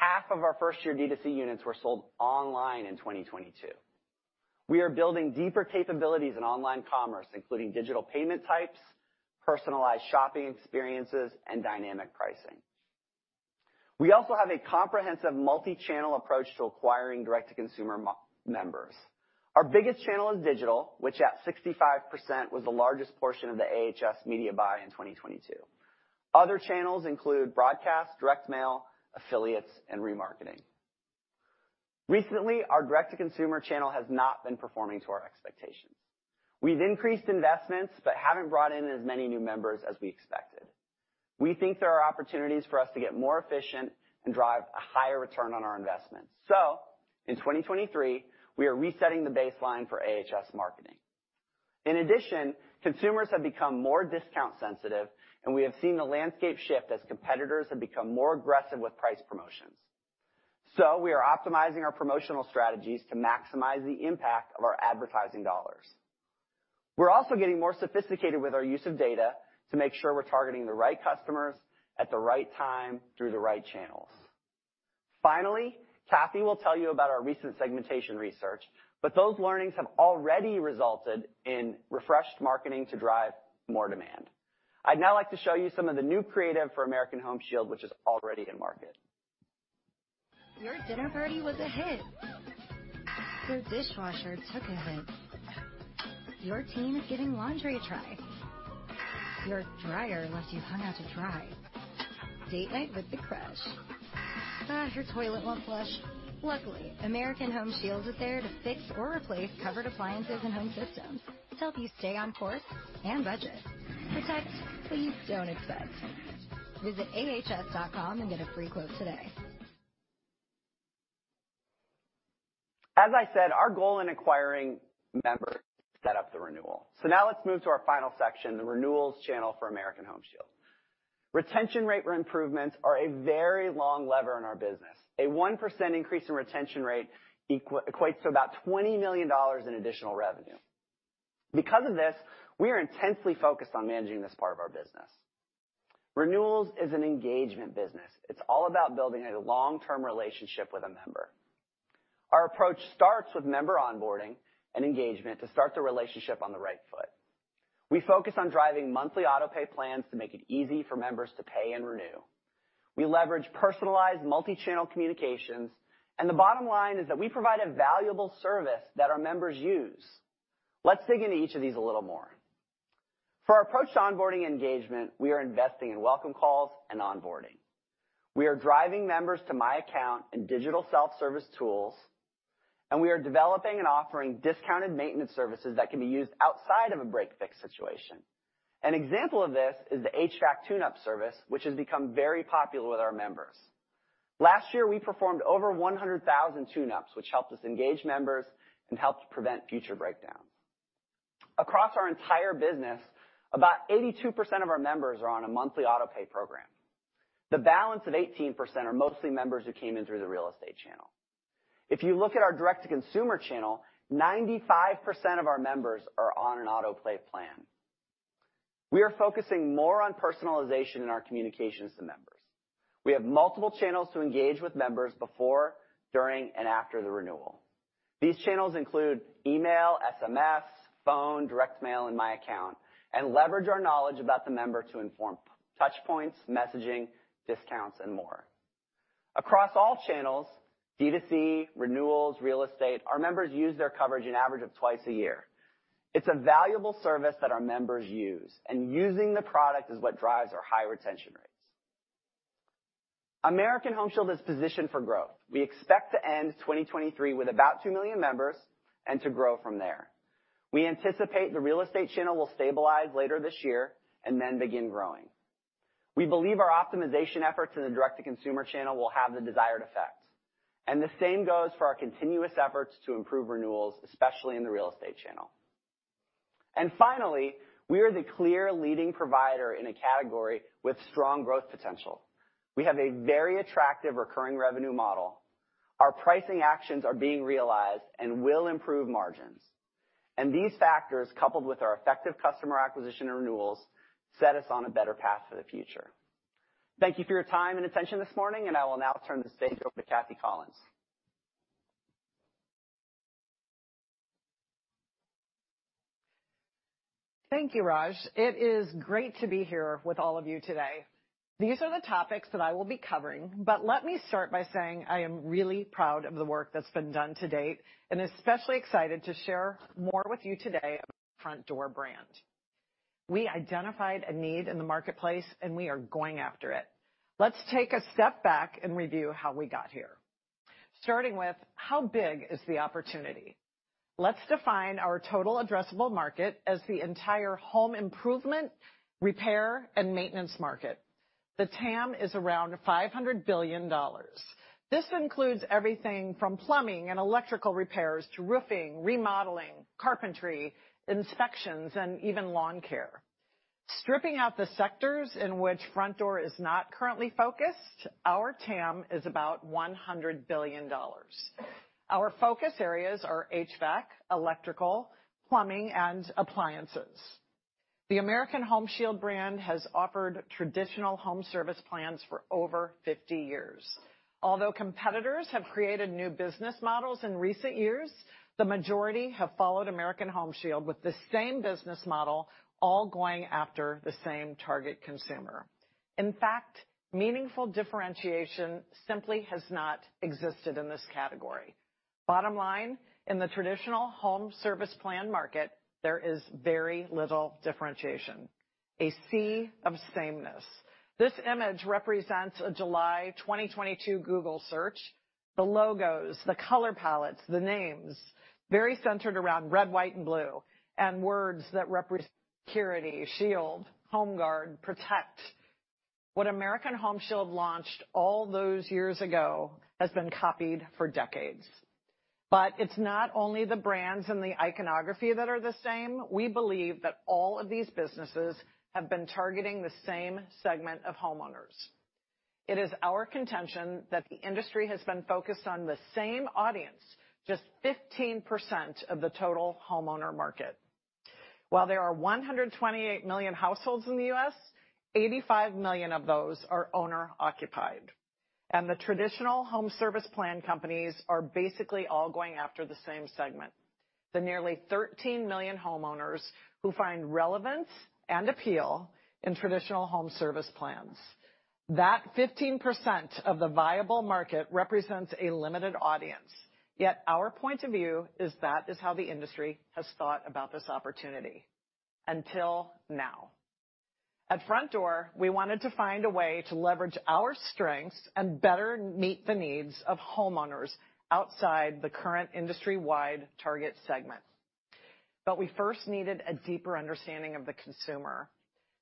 Half of our first-year D2C units were sold online in 2022. We are building deeper capabilities in online commerce, including digital payment types, personalized shopping experiences, and dynamic pricing. We also have a comprehensive multi-channel approach to acquiring direct-to-consumer members. Our biggest channel is digital, which at 65% was the largest portion of the AHS media buy in 2022. Other channels include broadcast, direct mail, affiliates, and remarketing. Recently, our direct-to-consumer channel has not been performing to our expectations. We've increased investments but haven't brought in as many new members as we expected. We think there are opportunities for us to get more efficient and drive a higher return on our investment. In 2023, we are resetting the baseline for AHS marketing. In addition, consumers have become more discount sensitive, and we have seen the landscape shift as competitors have become more aggressive with price promotions. We are optimizing our promotional strategies to maximize the impact of our advertising dollars. We're also getting more sophisticated with our use of data to make sure we're targeting the right customers at the right time through the right channels. Kathy will tell you about our recent segmentation research. Those learnings have already resulted in refreshed marketing to drive more demand. I'd now like to show you some of the new creative for American Home Shield, which is already in market. Your dinner party was a hit. Your dishwasher took a hit. Your teen is giving laundry a try. Your dryer left you hung out to dry. Date night with the crush. Ugh, your toilet won't flush. Luckily, American Home Shield is there to fix or replace covered appliances and home systems to help you stay on course and budget. Protect what you don't expect. Visit ahs.com and get a free quote today. As I said, our goal in acquiring members is to set up the renewal. Now let's move to our final section, the renewals channel for American Home Shield. Retention rate improvements are a very long lever in our business. A 1% increase in retention rate equates to about $20 million in additional revenue. Because of this, we are intensely focused on managing this part of our business. Renewals is an engagement business. It's all about building a long-term relationship with a member. Our approach starts with member onboarding and engagement to start the relationship on the right foot. We focus on driving monthly auto-pay plans to make it easy for members to pay and renew. We leverage personalized multi-channel communications, the bottom line is that we provide a valuable service that our members use. Let's dig into each of these a little more. For our approach to onboarding engagement, we are investing in welcome calls and onboarding. We are driving members to MyAccount and digital self-service tools, and we are developing and offering discounted maintenance services that can be used outside of a break/fix situation. An example of this is the HVAC tune-up service, which has become very popular with our members. Last year, we performed over 100,000 tune-ups, which helped us engage members and helped prevent future breakdowns. Across our entire business, about 82% of our members are on a monthly auto-pay program. The balance of 18% are mostly members who came in through the real estate channel. If you look at our direct-to-consumer channel, 95% of our members are on an auto-pay plan. We are focusing more on personalization in our communications to members. We have multiple channels to engage with members before, during, and after the renewal. These channels include email, SMS, phone, direct mail, and MyAccount, and leverage our knowledge about the member to inform touch points, messaging, discounts, and more. Across all channels, D2C, renewals, real estate, our members use their coverage an average of 2 times a year. It's a valuable service that our members use, using the product is what drives our high retention rates. American Home Shield is positioned for growth. We expect to end 2023 with about 2 million members and to grow from there. We anticipate the real estate channel will stabilize later this year and then begin growing. We believe our optimization efforts in the direct-to-consumer channel will have the desired effect. The same goes for our continuous efforts to improve renewals, especially in the real estate channel. Finally, we are the clear leading provider in a category with strong growth potential. We have a very attractive recurring revenue model. Our pricing actions are being realized and will improve margins. These factors, coupled with our effective customer acquisition and renewals, set us on a better path for the future. Thank you for your time and attention this morning. I will now turn the stage over to Kathy Collins. Thank you, Raj. It is great to be here with all of you today. These are the topics that I will be covering, but let me start by saying I am really proud of the work that's been done to date, and especially excited to share more with you today about Frontdoor brand. We identified a need in the marketplace, and we are going after it. Let's take a step back and review how we got here. Starting with how big is the opportunity? Let's define our total addressable market as the entire home improvement, repair, and maintenance market. The TAM is around $500 billion. This includes everything from plumbing and electrical repairs to roofing, remodeling, carpentry, inspections, and even lawn care. Stripping out the sectors in which Frontdoor is not currently focused, our TAM is about $100 billion. Our focus areas are HVAC, electrical, plumbing, and appliances. The American Home Shield brand has offered traditional home service plans for over 50 years. Although competitors have created new business models in recent years, the majority have followed American Home Shield with the same business model, all going after the same target consumer. In fact, meaningful differentiation simply has not existed in this category. Bottom line, in the traditional home service plan market, there is very little differentiation. A sea of sameness. This image represents a July 2022 Google search. The logos, the color palettes, the names very centered around red, white, and blue, and words that represent security, shield, home guard, protect. What American Home Shield launched all those years ago has been copied for decades. It's not only the brands and the iconography that are the same. We believe that all of these businesses have been targeting the same segment of homeowners. It is our contention that the industry has been focused on the same audience, just 15% of the total homeowner market. While there are 128 million households in the U.S., 85 million of those are owner-occupied, and the traditional home service plan companies are basically all going after the same segment, the nearly 13 million homeowners who find relevance and appeal in traditional home service plans. That 15% of the viable market represents a limited audience. Our point of view is that is how the industry has thought about this opportunity until now. At Frontdoor, we wanted to find a way to leverage our strengths and better meet the needs of homeowners outside the current industry-wide target segment. We first needed a deeper understanding of the consumer,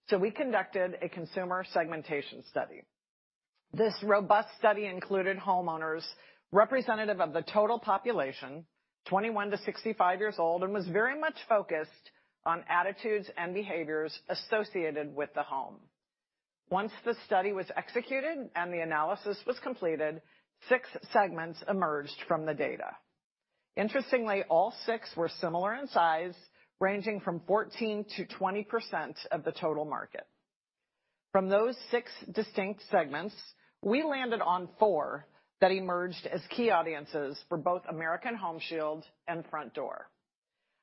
so we conducted a consumer segmentation study. This robust study included homeowners representative of the total population, 21 to 65 years old, and was very much focused on attitudes and behaviors associated with the home. Once the study was executed and the analysis was completed, six segments emerged from the data. Interestingly, all 6 were similar in size, ranging from 14%-20% of the total market. From those 6 distinct segments, we landed on four that emerged as key audiences for both American Home Shield and Frontdoor.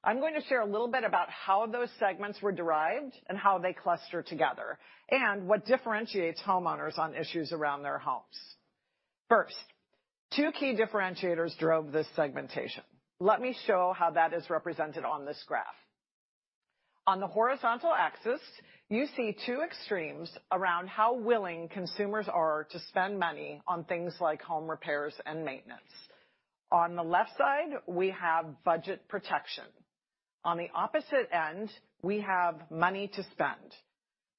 I'm going to share a little bit about how those segments were derived and how they cluster together, and what differentiates homeowners on issues around their homes. First, two key differentiators drove this segmentation. Let me show how that is represented on this graph. On the horizontal axis, you see two extremes around how willing consumers are to spend money on things like home repairs and maintenance. On the left side, we have budget protection. On the opposite end, we have money to spend.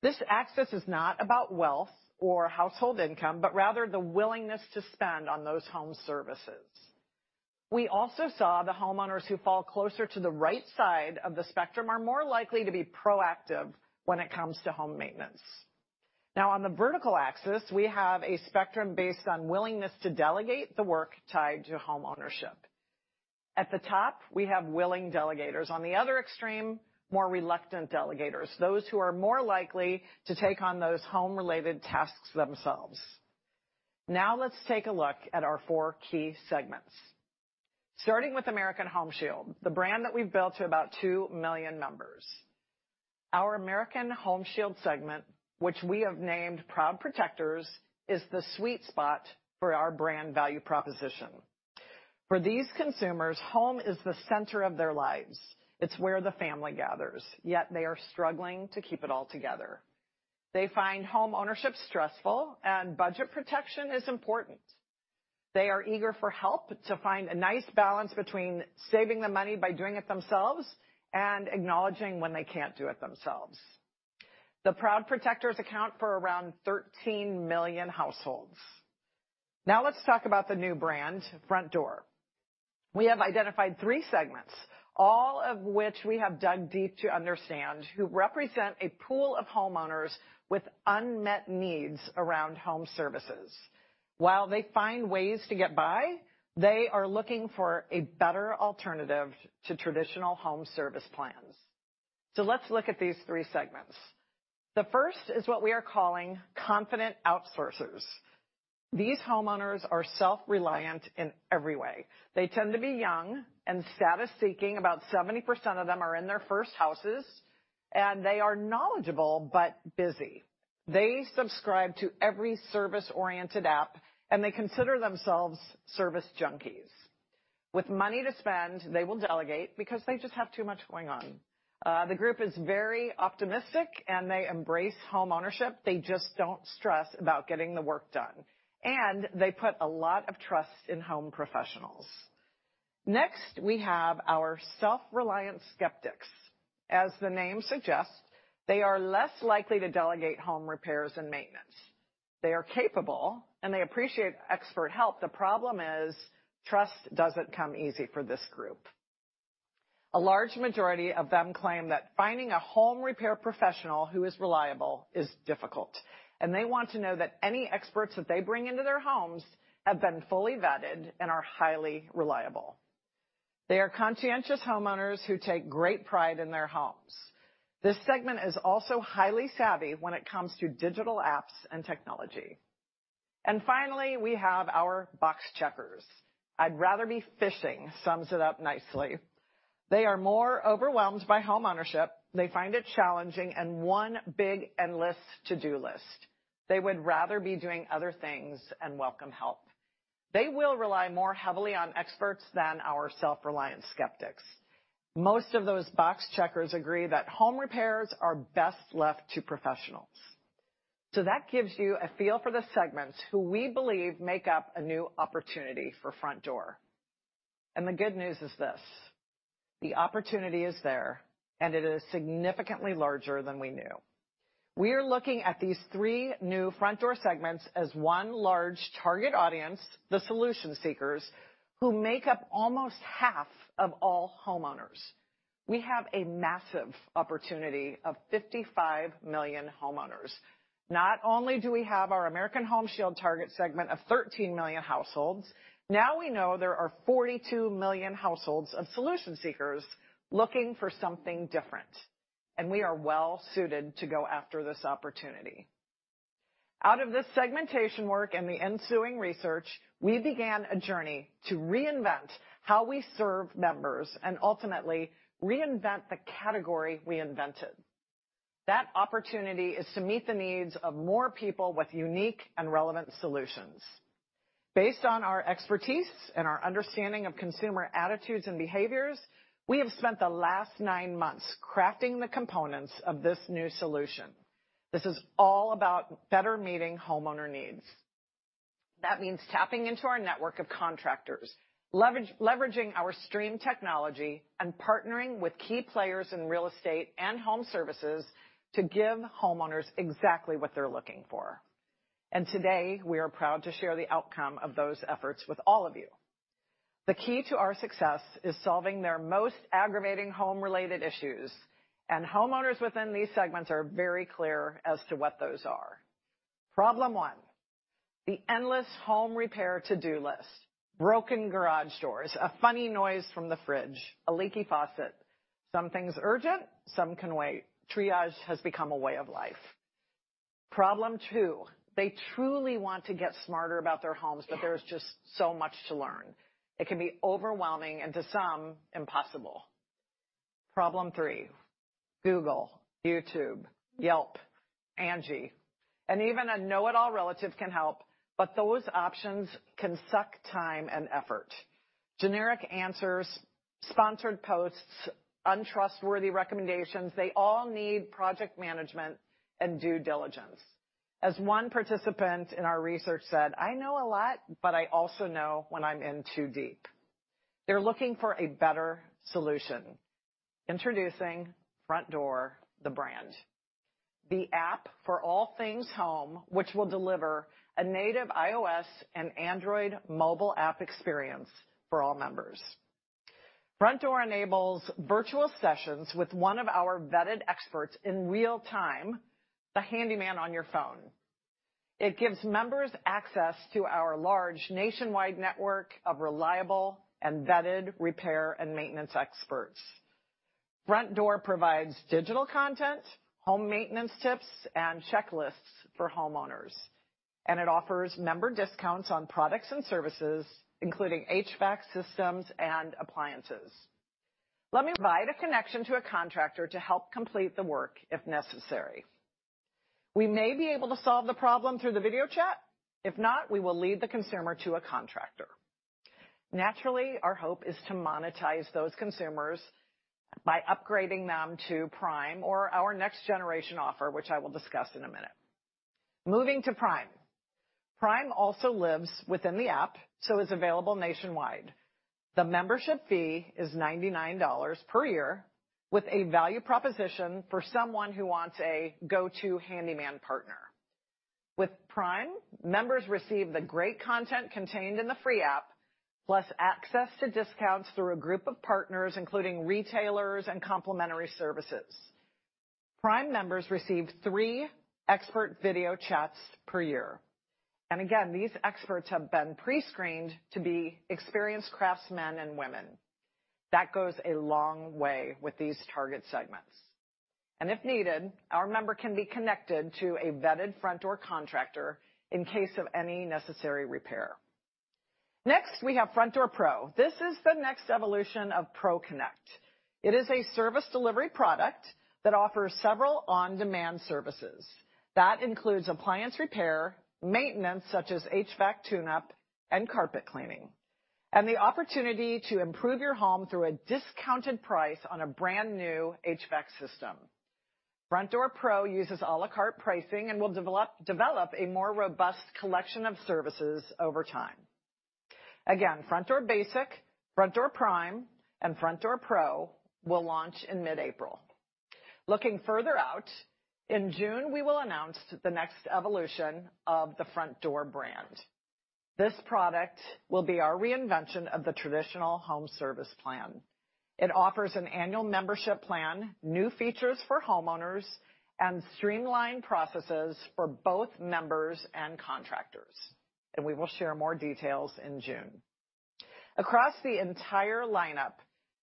This axis is not about wealth or household income, but rather the willingness to spend on those home services. We also saw the homeowners who fall closer to the right side of the spectrum are more likely to be proactive when it comes to home maintenance. On the vertical axis, we have a spectrum based on willingness to delegate the work tied to home ownership. At the top, we have willing delegators. On the other extreme, more reluctant delegators, those who are more likely to take on those home-related tasks themselves. Now let's take a look at our four key segments. Starting with American Home Shield, the brand that we've built to about 2 million members. Our American Home Shield segment, which we have named Proud Protectors, is the sweet spot for our brand value proposition. For these consumers, home is the center of their lives. It's where the family gathers. They are struggling to keep it all together. They find home ownership stressful and budget protection is important. They are eager for help to find a nice balance between saving the money by doing it themselves and acknowledging when they can't do it themselves. The Proud Protectors account for around 13 million households. Let's talk about the new brand, Frontdoor. We have identified three segments, all of which we have dug deep to understand who represent a pool of homeowners with unmet needs around home services. While they find ways to get by, they are looking for a better alternative to traditional home service plans. Let's look at these three segments. The first is what we are calling Confident Outsourcers. These homeowners are self-reliant in every way. They tend to be young and status-seeking. About 70% of them are in their first houses, and they are knowledgeable but busy. They subscribe to every service-oriented app, and they consider themselves service junkies. With money to spend, they will delegate because they just have too much going on. The group is very optimistic, and they embrace home ownership. They just don't stress about getting the work done, and they put a lot of trust in home professionals. Next, we have our self-reliant skeptics. As the name suggests, they are less likely to delegate home repairs and maintenance. They are capable, and they appreciate expert help. The problem is trust doesn't come easy for this group. A large majority of them claim that finding a home repair professional who is reliable is difficult, and they want to know that any experts that they bring into their homes have been fully vetted and are highly reliable. They are conscientious homeowners who take great pride in their homes. This segment is also highly savvy when it comes to digital apps and technology. Finally, we have our box checkers. I'd rather be fishing sums it up nicely. They are more overwhelmed by homeownership. They find it challenging and one big endless to-do list. They would rather be doing other things and welcome help. They will rely more heavily on experts than our self-reliant skeptics. Most of those box checkers agree that home repairs are best left to professionals. That gives you a feel for the segments who we believe make up a new opportunity for Frontdoor. The good news is this: the opportunity is there, and it is significantly larger than we knew. We are looking at these three new Frontdoor segments as one large target audience, the solution seekers, who make up almost half of all homeowners. We have a massive opportunity of 55 million homeowners. Not only do we have our American Home Shield target segment of 13 million households, now we know there are 42 million households of solution seekers looking for something different. We are well-suited to go after this opportunity. Out of this segmentation work and the ensuing research, we began a journey to reinvent how we serve members and ultimately reinvent the category we invented. That opportunity is to meet the needs of more people with unique and relevant solutions. Based on our expertise and our understanding of consumer attitudes and behaviors, we have spent the last nine months crafting the components of this new solution. This is all about better meeting homeowner needs. That means tapping into our network of contractors, leveraging our Streem technology and partnering with key players in real estate and home services to give homeowners exactly what they're looking for. Today, we are proud to share the outcome of those efforts with all of you. The key to our success is solving their most aggravating home-related issues, and homeowners within these segments are very clear as to what those are. Problem one, the endless home repair to-do list. Broken garage doors, a funny noise from the fridge, a leaky faucet. Some things urgent, some can wait. Triage has become a way of life. Problem 2, they truly want to get smarter about their homes, but there's just so much to learn. It can be overwhelming and to some impossible. Problem 3, Google, YouTube, Yelp, Angi, and even a know-it-all relative can help, but those options can suck time and effort. Generic answers, sponsored posts, untrustworthy recommendations, they all need project management and due diligence. As one participant in our research said, "I know a lot, but I also know when I'm in too deep." They're looking for a better solution. Introducing Frontdoor, the brand, the app for all things home, which will deliver a native iOS and Android mobile app experience for all members. Frontdoor enables virtual sessions with one of our vetted experts in real time, the handyman on your phone. It gives members access to our large nationwide network of reliable and vetted repair and maintenance experts. Frontdoor provides digital content, home maintenance tips and checklists for homeowners, and it offers member discounts on products and services, including HVAC systems and appliances. Let me provide a connection to a contractor to help complete the work if necessary. We may be able to solve the problem through the video chat. If not, we will lead the consumer to a contractor. Naturally, our hope is to monetize those consumers by upgrading them to Prime or our next generation offer, which I will discuss in a minute. Moving to Prime. Prime also lives within the app, so is available nationwide. The membership fee is $99 per year with a value proposition for someone who wants a go-to handyman partner. With Prime, members receive the great content contained in the free app, plus access to discounts through a group of partners, including retailers and complimentary services. Prime members receive three expert video chats per year. Again, these experts have been pre-screened to be experienced craftsmen and women. That goes a long way with these target segments. If needed, our member can be connected to a vetted Frontdoor contractor in case of any necessary repair. Next, we have Frontdoor Pro. This is the next evolution of ProConnect. It is a service delivery product that offers several on-demand services. That includes appliance repair, maintenance such as HVAC tuneup and carpet cleaning, and the opportunity to improve your home through a discounted price on a brand new HVAC system. Frontdoor Pro uses à la carte pricing and will develop a more robust collection of services over time. Frontdoor Basic, Frontdoor Prime, and Frontdoor Pro will launch in mid-April. Looking further out, in June, we will announce the next evolution of the Frontdoor brand. This product will be our reinvention of the traditional home service plan. It offers an annual membership plan, new features for homeowners, and streamlined processes for both members and contractors. We will share more details in June. Across the entire lineup,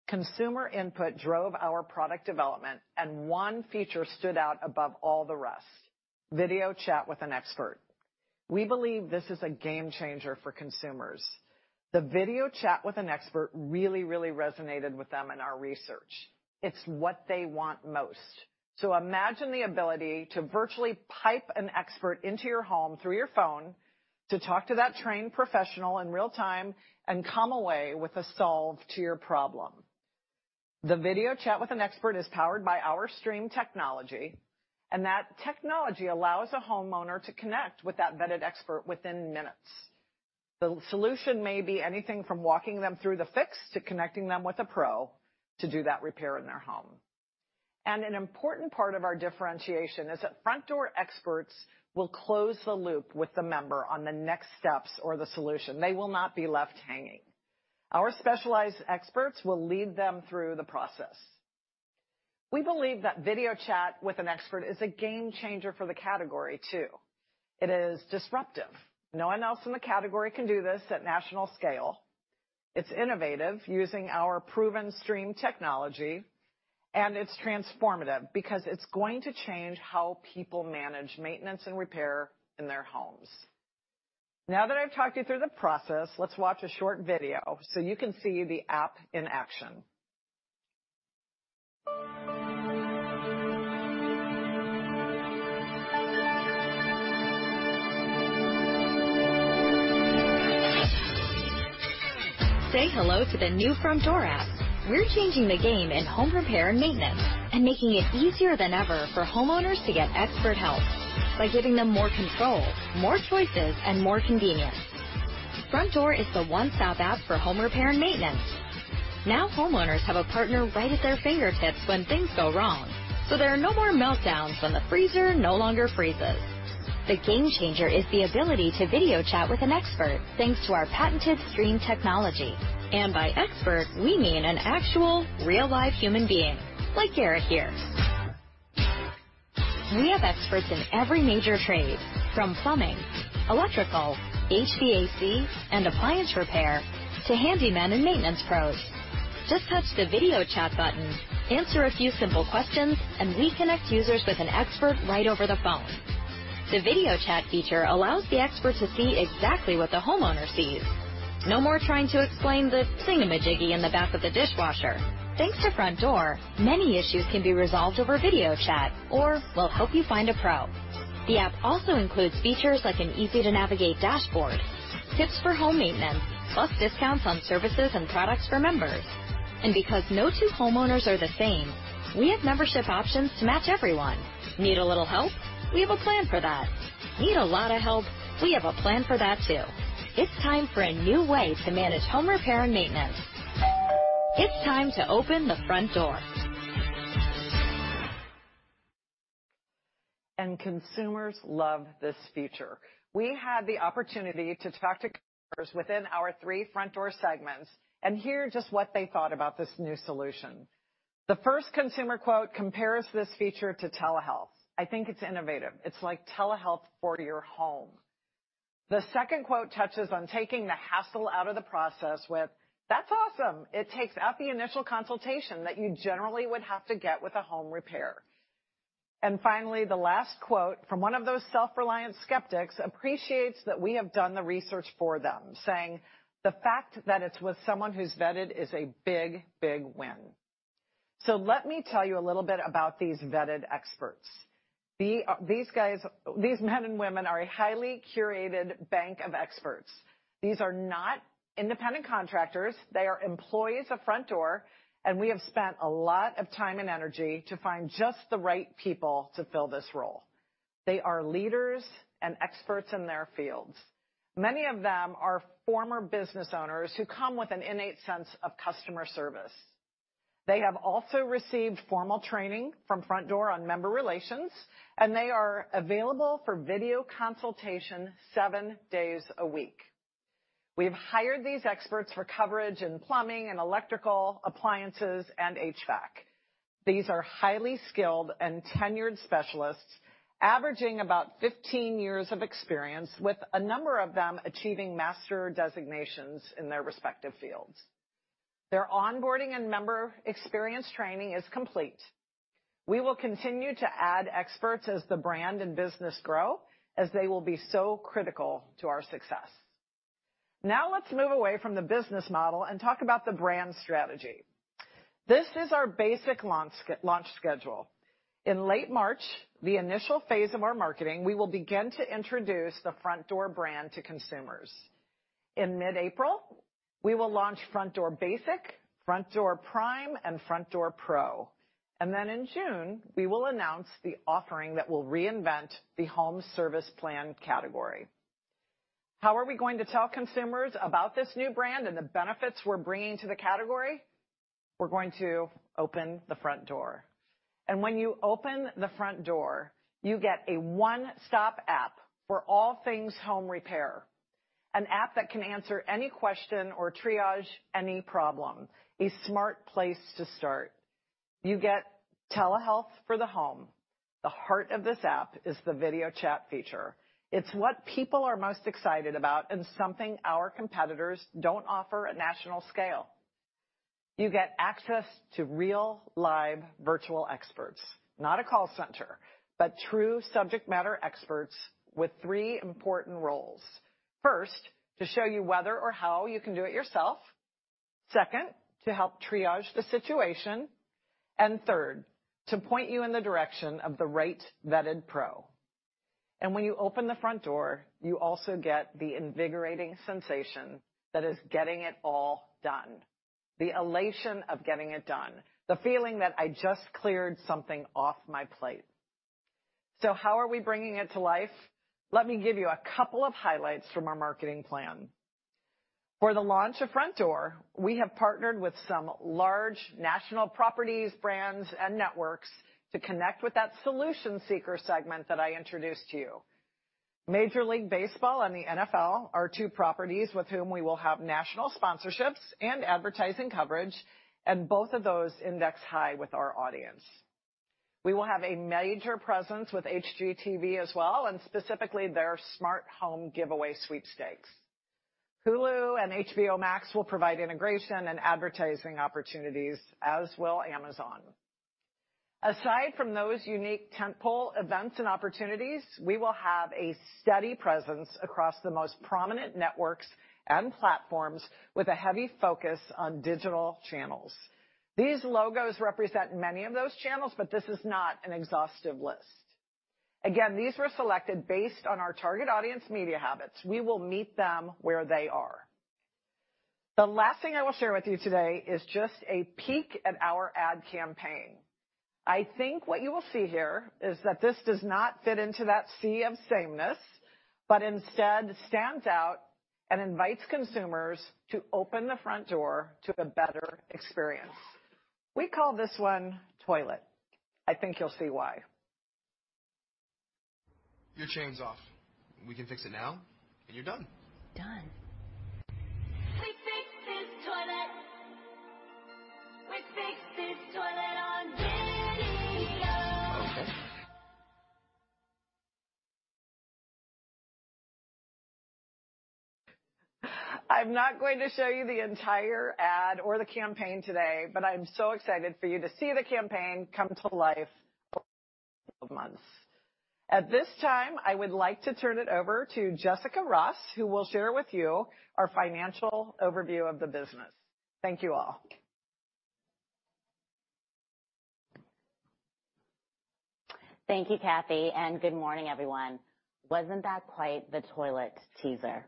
consumer input drove our product development, and one feature stood out above all the rest, video chat with an expert. We believe this is a game changer for consumers. The video chat with an expert really resonated with them in our research. It's what they want most. Imagine the ability to virtually pipe an expert into your home through your phone to talk to that trained professional in real time and come away with a solve to your problem. The video chat with an expert is powered by our Streem technology. That technology allows a homeowner to connect with that vetted expert within minutes. The solution may be anything from walking them through the fix to connecting them with a pro to do that repair in their home. An important part of our differentiation is that Frontdoor experts will close the loop with the member on the next steps or the solution. They will not be left hanging. Our specialized experts will lead them through the process. We believe that video chat with an expert is a game changer for the category too. It is disruptive. No one else in the category can do this at national scale. It's innovative, using our proven Streem technology. It's transformative because it's going to change how people manage maintenance and repair in their homes. Now that I've talked you through the process, let's watch a short video so you can see the app in action. Say hello to the new Frontdoor app. We're changing the game in home repair and maintenance and making it easier than ever for homeowners to get expert help by giving them more control, more choices, and more convenience. Frontdoor is the one-stop app for home repair and maintenance. Now, homeowners have a partner right at their fingertips when things go wrong, so there are no more meltdowns when the freezer no longer freezes. The game changer is the ability to video chat with an expert, thanks to our patented Streem technology. By expert, we mean an actual real live human being, like Garrett here. We have experts in every major trade, from plumbing, electrical, HVAC, and appliance repair to handyman and maintenance pros. Just touch the video chat button, answer a few simple questions, and we connect users with an expert right over the phone. The video chat feature allows the expert to see exactly what the homeowner sees. No more trying to explain the thingamajiggy in the back of the dishwasher. Thanks to Frontdoor, many issues can be resolved over video chat, or we'll help you find a pro. The app also includes features like an easy-to-navigate dashboard, tips for home maintenance, plus discounts on services and products for members. Because no two homeowners are the same, we have membership options to match everyone. Need a little help? We have a plan for that. Need a lot of help? We have a plan for that too. It's time for a new way to manage home repair and maintenance. It's time to open the Frontdoor. Consumers love this feature. We had the opportunity to talk to customers within our three Frontdoor segments and hear just what they thought about this new solution. The first consumer quote compares this feature to telehealth. "I think it's innovative. It's like telehealth for your home." The second quote touches on taking the hassle out of the process with, "That's awesome. It takes out the initial consultation that you generally would have to get with a home repair." Finally, the last quote from one of those self-reliant skeptics appreciates that we have done the research for them, saying, "The fact that it's with someone who's vetted is a big win." Let me tell you a little bit about these vetted experts. The, these guys, these men and women are a highly curated bank of experts. These are not independent contractors. They are employees of Frontdoor, and we have spent a lot of time and energy to find just the right people to fill this role. They are leaders and experts in their fields. Many of them are former business owners who come with an innate sense of customer service. They have also received formal training from Frontdoor on member relations, and they are available for video consultation seven days a week. We've hired these experts for coverage in plumbing and electrical, appliances, and HVAC. These are highly skilled and tenured specialists averaging about 15 years of experience, with a number of them achieving master designations in their respective fields. Their onboarding and member experience training is complete. We will continue to add experts as the brand and business grow, as they will be so critical to our success. Now let's move away from the business model and talk about the brand strategy. This is our basic launch schedule. In late March, the initial phase of our marketing, we will begin to introduce the Frontdoor brand to consumers. In mid-April, we will launch Frontdoor Basic, Frontdoor Prime, and Frontdoor Pro. In June, we will announce the offering that will reinvent the home service plan category. How are we going to tell consumers about this new brand and the benefits we're bringing to the category? We're going to open the Frontdoor. When you open the Frontdoor, you get a one-stop app for all things home repair. An app that can answer any question or triage any problem. A smart place to start. You get telehealth for the home. The heart of this app is the video chat feature. It's what people are most excited about and something our competitors don't offer at national scale. You get access to real live virtual experts, not a call center, but true subject matter experts with three important roles. First, to show you whether or how you can do it yourself. Second, to help triage the situation. Third, to point you in the direction of the right vetted pro. When you open the Frontdoor, you also get the invigorating sensation that is getting it all done, the elation of getting it done, the feeling that I just cleared something off my plate. How are we bringing it to life? Let me give you a couple of highlights from our marketing plan. For the launch of Frontdoor, we have partnered with some large national properties, brands, and networks to connect with that solution seeker segment that I introduced to you. Major League Baseball and the NFL are two properties with whom we will have national sponsorships and advertising coverage, and both of those index high with our audience. We will have a major presence with HGTV as well, and specifically their smart home giveaway sweepstakes. Hulu and HBO Max will provide integration and advertising opportunities, as will Amazon. Aside from those unique tentpole events and opportunities, we will have a steady presence across the most prominent networks and platforms with a heavy focus on digital channels. These logos represent many of those channels, but this is not an exhaustive list. Again, these were selected based on our target audience media habits. We will meet them where they are. The last thing I will share with you today is just a peek at our ad campaign. I think what you will see here is that this does not fit into that sea of sameness, but instead stands out and invites consumers to open the Frontdoor to a better experience. We call this one Toilet. I think you'll see why. Your chain's off. We can fix it now. You're done. Done. We fixed this toilet. We fixed this toilet on video. Okay. I'm not going to show you the entire ad or the campaign today, but I'm so excited for you to see the campaign come to life over the next couple of months. At this time, I would like to turn it over to Jessica Ross, who will share with you our financial overview of the business. Thank you all. Thank you, Kathy. Good morning, everyone. Wasn't that quite the toilet teaser?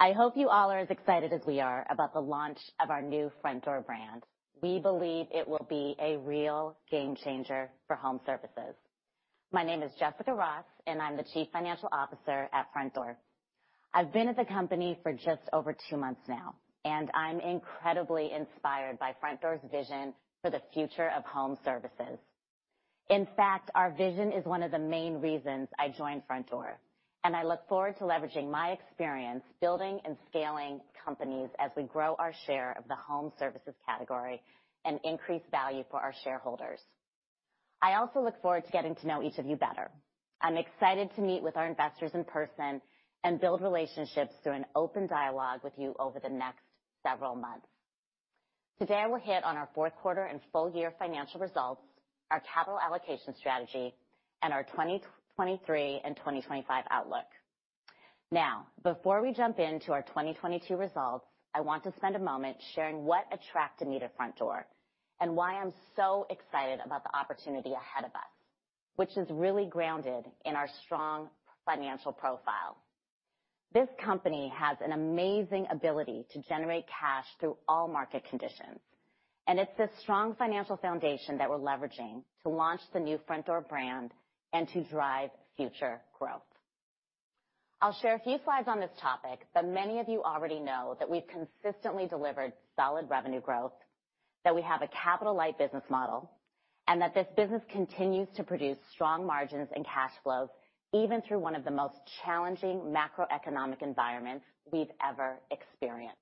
I hope you all are as excited as we are about the launch of our new Frontdoor brand. We believe it will be a real game changer for home services. My name is Jessica Ross, and I'm the Chief Financial Officer at Frontdoor. I've been at the company for just over two months now, and I'm incredibly inspired by Frontdoor's vision for the future of home services. In fact, our vision is one of the main reasons I joined Frontdoor, and I look forward to leveraging my experience building and scaling companies as we grow our share of the home services category and increase value for our shareholders. I also look forward to getting to know each of you better. I'm excited to meet with our investors in person and build relationships through an open dialogue with you over the next several months. Today, we're hit on our fourth quarter and full year financial results, our capital allocation strategy, and our 2023 and 2025 outlook. Before we jump into our 2022 results, I want to spend a moment sharing what attracted me to Frontdoor and why I'm so excited about the opportunity ahead of us, which is really grounded in our strong financial profile. This company has an amazing ability to generate cash through all market conditions, and it's a strong financial foundation that we're leveraging to launch the new Frontdoor brand and to drive future growth. I'll share a few slides on this topic, but many of you already know that we've consistently delivered solid revenue growth, that we have a capital-light business model, and that this business continues to produce strong margins and cash flows, even through one of the most challenging macroeconomic environments we've ever experienced.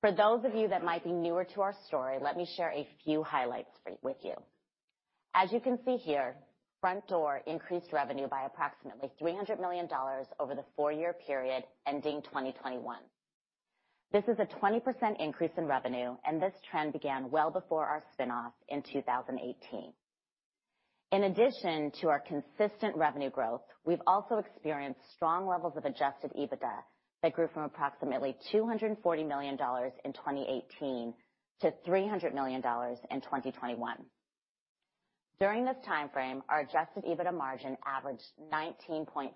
For those of you that might be newer to our story, let me share a few highlights with you. As you can see here, Frontdoor increased revenue by approximately $300 million over the 4-year period ending 2021. This is a 20% increase in revenue, and this trend began well before our spin-off in 2018. In addition to our consistent revenue growth, we've also experienced strong levels of adjusted EBITDA that grew from approximately $240 million in 2018 to $300 million in 2021. During this timeframe, our adjusted EBITDA margin averaged 19.5%.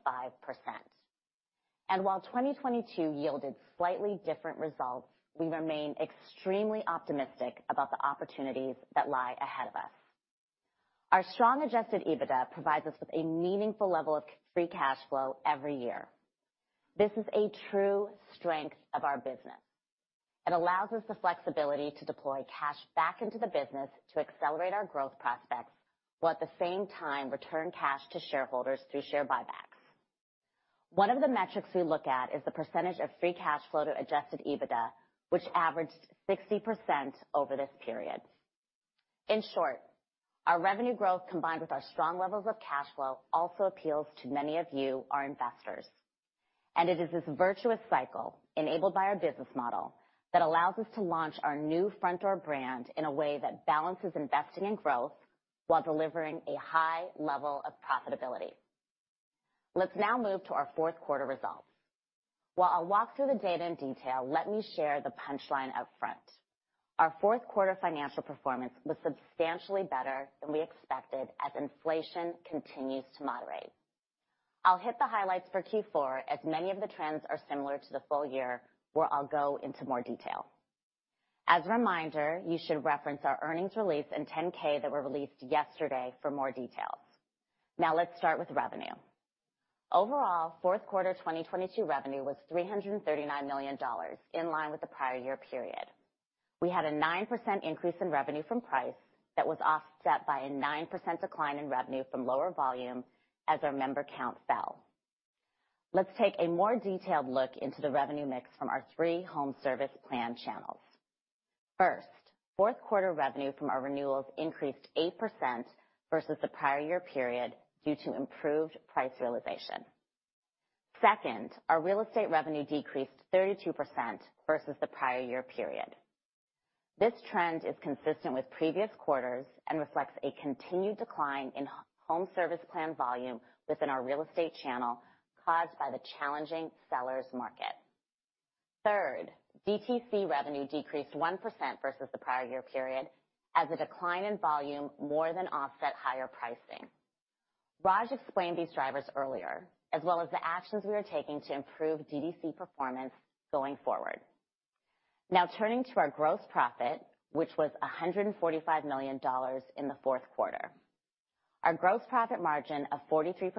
While 2022 yielded slightly different results, we remain extremely optimistic about the opportunities that lie ahead of us. Our strong adjusted EBITDA provides us with a meaningful level of free cash flow every year. This is a true strength of our business. It allows us the flexibility to deploy cash back into the business to accelerate our growth prospects, while at the same time return cash to shareholders through share buybacks. One of the metrics we look at is the percentage of free cash flow to adjusted EBITDA, which averaged 60% over this period. In short, our revenue growth combined with our strong levels of cash flow also appeals to many of you, our investors. It is this virtuous cycle enabled by our business model that allows us to launch our new Frontdoor brand in a way that balances investing in growth while delivering a high level of profitability. Let's now move to our fourth quarter results. While I'll walk through the data in detail, let me share the punchline up front. Our fourth quarter financial performance was substantially better than we expected as inflation continues to moderate. I'll hit the highlights for Q4 as many of the trends are similar to the full year, where I'll go into more detail. As a reminder, you should reference our earnings release and 10-K that were released yesterday for more details. Let's start with revenue. Overall, fourth quarter 2022 revenue was $339 million, in line with the prior year period. We had a 9% increase in revenue from price that was offset by a 9% decline in revenue from lower volume as our member count fell. Let's take a more detailed look into the revenue mix from our three home service plan channels. First, fourth quarter revenue from our renewals increased 8% versus the prior year period due to improved price realization. Second, our real estate revenue decreased 32% versus the prior year period. This trend is consistent with previous quarters and reflects a continued decline in home service plan volume within our real estate channel caused by the challenging sellers market. Third, DTC revenue decreased 1% versus the prior year period as the decline in volume more than offset higher pricing. Raj explained these drivers earlier, as well as the actions we are taking to improve DTC performance going forward. Now turning to our gross profit, which was $145 million in the fourth quarter. Our gross profit margin of 43%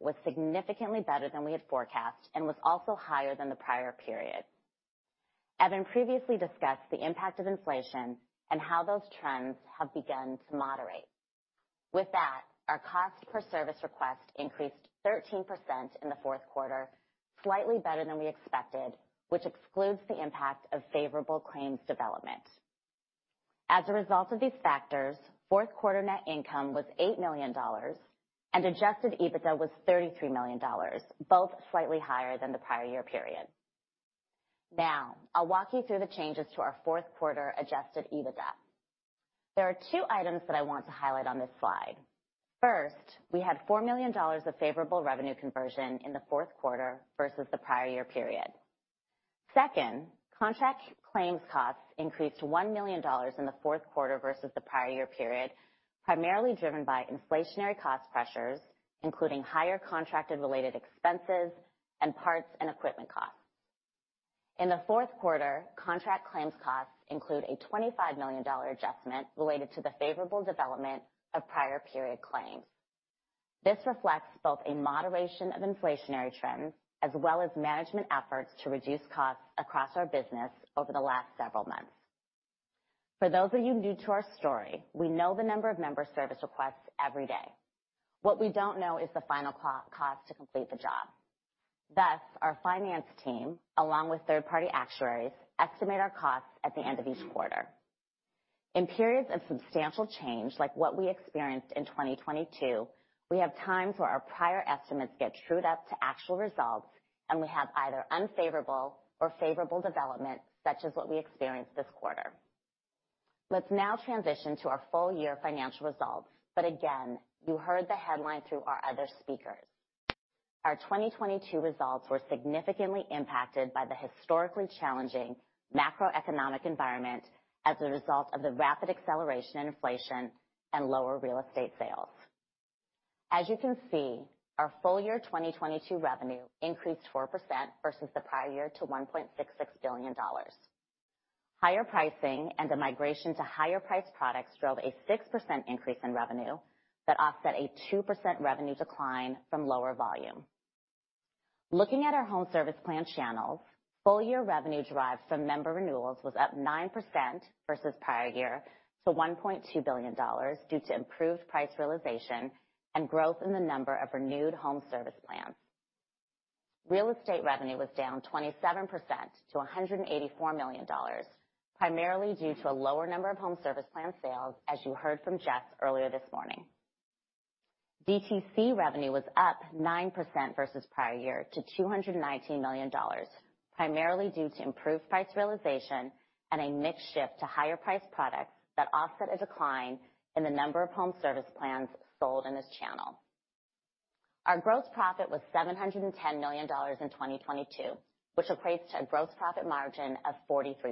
was significantly better than we had forecast and was also higher than the prior period. Evan previously discussed the impact of inflation and how those trends have begun to moderate. With that, our cost per service request increased 13% in the fourth quarter, slightly better than we expected, which excludes the impact of favorable claims development. As a result of these factors, fourth quarter net income was $8 million and adjusted EBITDA was $33 million, both slightly higher than the prior year period. Now, I'll walk you through the changes to our fourth quarter adjusted EBITDA. There are two items that I want to highlight on this slide. First, we had $4 million of favorable revenue conversion in the fourth quarter versus the prior year period. Second, contract claims costs increased $1 million in the fourth quarter versus the prior year period, primarily driven by inflationary cost pressures, including higher contracted related expenses and parts and equipment costs. In the fourth quarter, contract claims costs include a $25 million adjustment related to the favorable development of prior period claims. This reflects both a moderation of inflationary trends as well as management efforts to reduce costs across our business over the last several months. For those of you new to our story, we know the number of member service requests every day. What we don't know is the final cost to complete the job. Thus, our finance team, along with third-party actuaries, estimate our costs at the end of each quarter. In periods of substantial change, like what we experienced in 2022, we have times where our prior estimates get trued up to actual results, and we have either unfavorable or favorable development, such as what we experienced this quarter. Let's now transition to our full year financial results. Again, you heard the headline through our other speakers. Our 2022 results were significantly impacted by the historically challenging macroeconomic environment as a result of the rapid acceleration in inflation and lower real estate sales. As you can see, our full year 2022 revenue increased 4% versus the prior year to $1.66 billion. Higher pricing and the migration to higher priced products drove a 6% increase in revenue that offset a 2% revenue decline from lower volume. Looking at our home service plan channels, full year revenue derived from member renewals was up 9% versus prior year to $1.2 billion due to improved price realization and growth in the number of renewed home service plans. Real estate revenue was down 27% to $184 million, primarily due to a lower number of home service plan sales, as you heard from Jess earlier this morning. DTC revenue was up 9% versus prior year to $219 million, primarily due to improved price realization and a mix shift to higher priced products that offset a decline in the number of home service plans sold in this channel. Our gross profit was $710 million in 2022, which equates to a gross profit margin of 43%.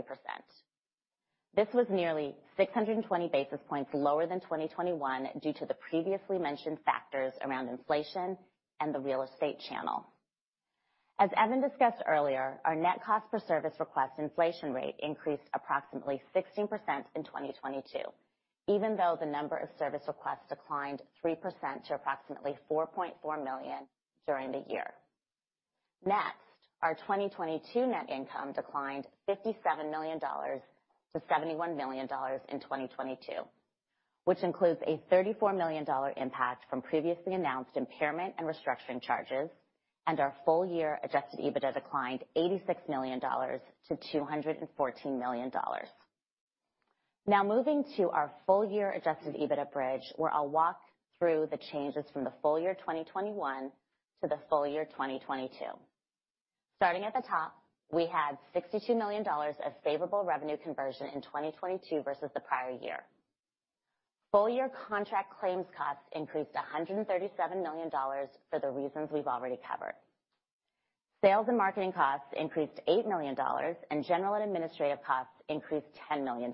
This was nearly 620 basis points lower than 2021 due to the previously mentioned factors around inflation and the real estate channel. As Evan discussed earlier, our net cost per service request inflation rate increased approximately 16% in 2022. Though the number of service requests declined 3% to approximately $4.4 million during the year. Our 2022 net income declined $57 million to $71 million in 2022, which includes a $34 million impact from previously announced impairment and restructuring charges, and our full year adjusted EBITDA declined $86 million to $214 million. Moving to our full year adjusted EBITDA bridge, where I'll walk through the changes from the full year 2021 to the full year 2022. Starting at the top, we had $62 million of favorable revenue conversion in 2022 versus the prior year. Full year contract claims costs increased $137 million for the reasons we've already covered. Sales and marketing costs increased $8 million, and general and administrative costs increased $10 million.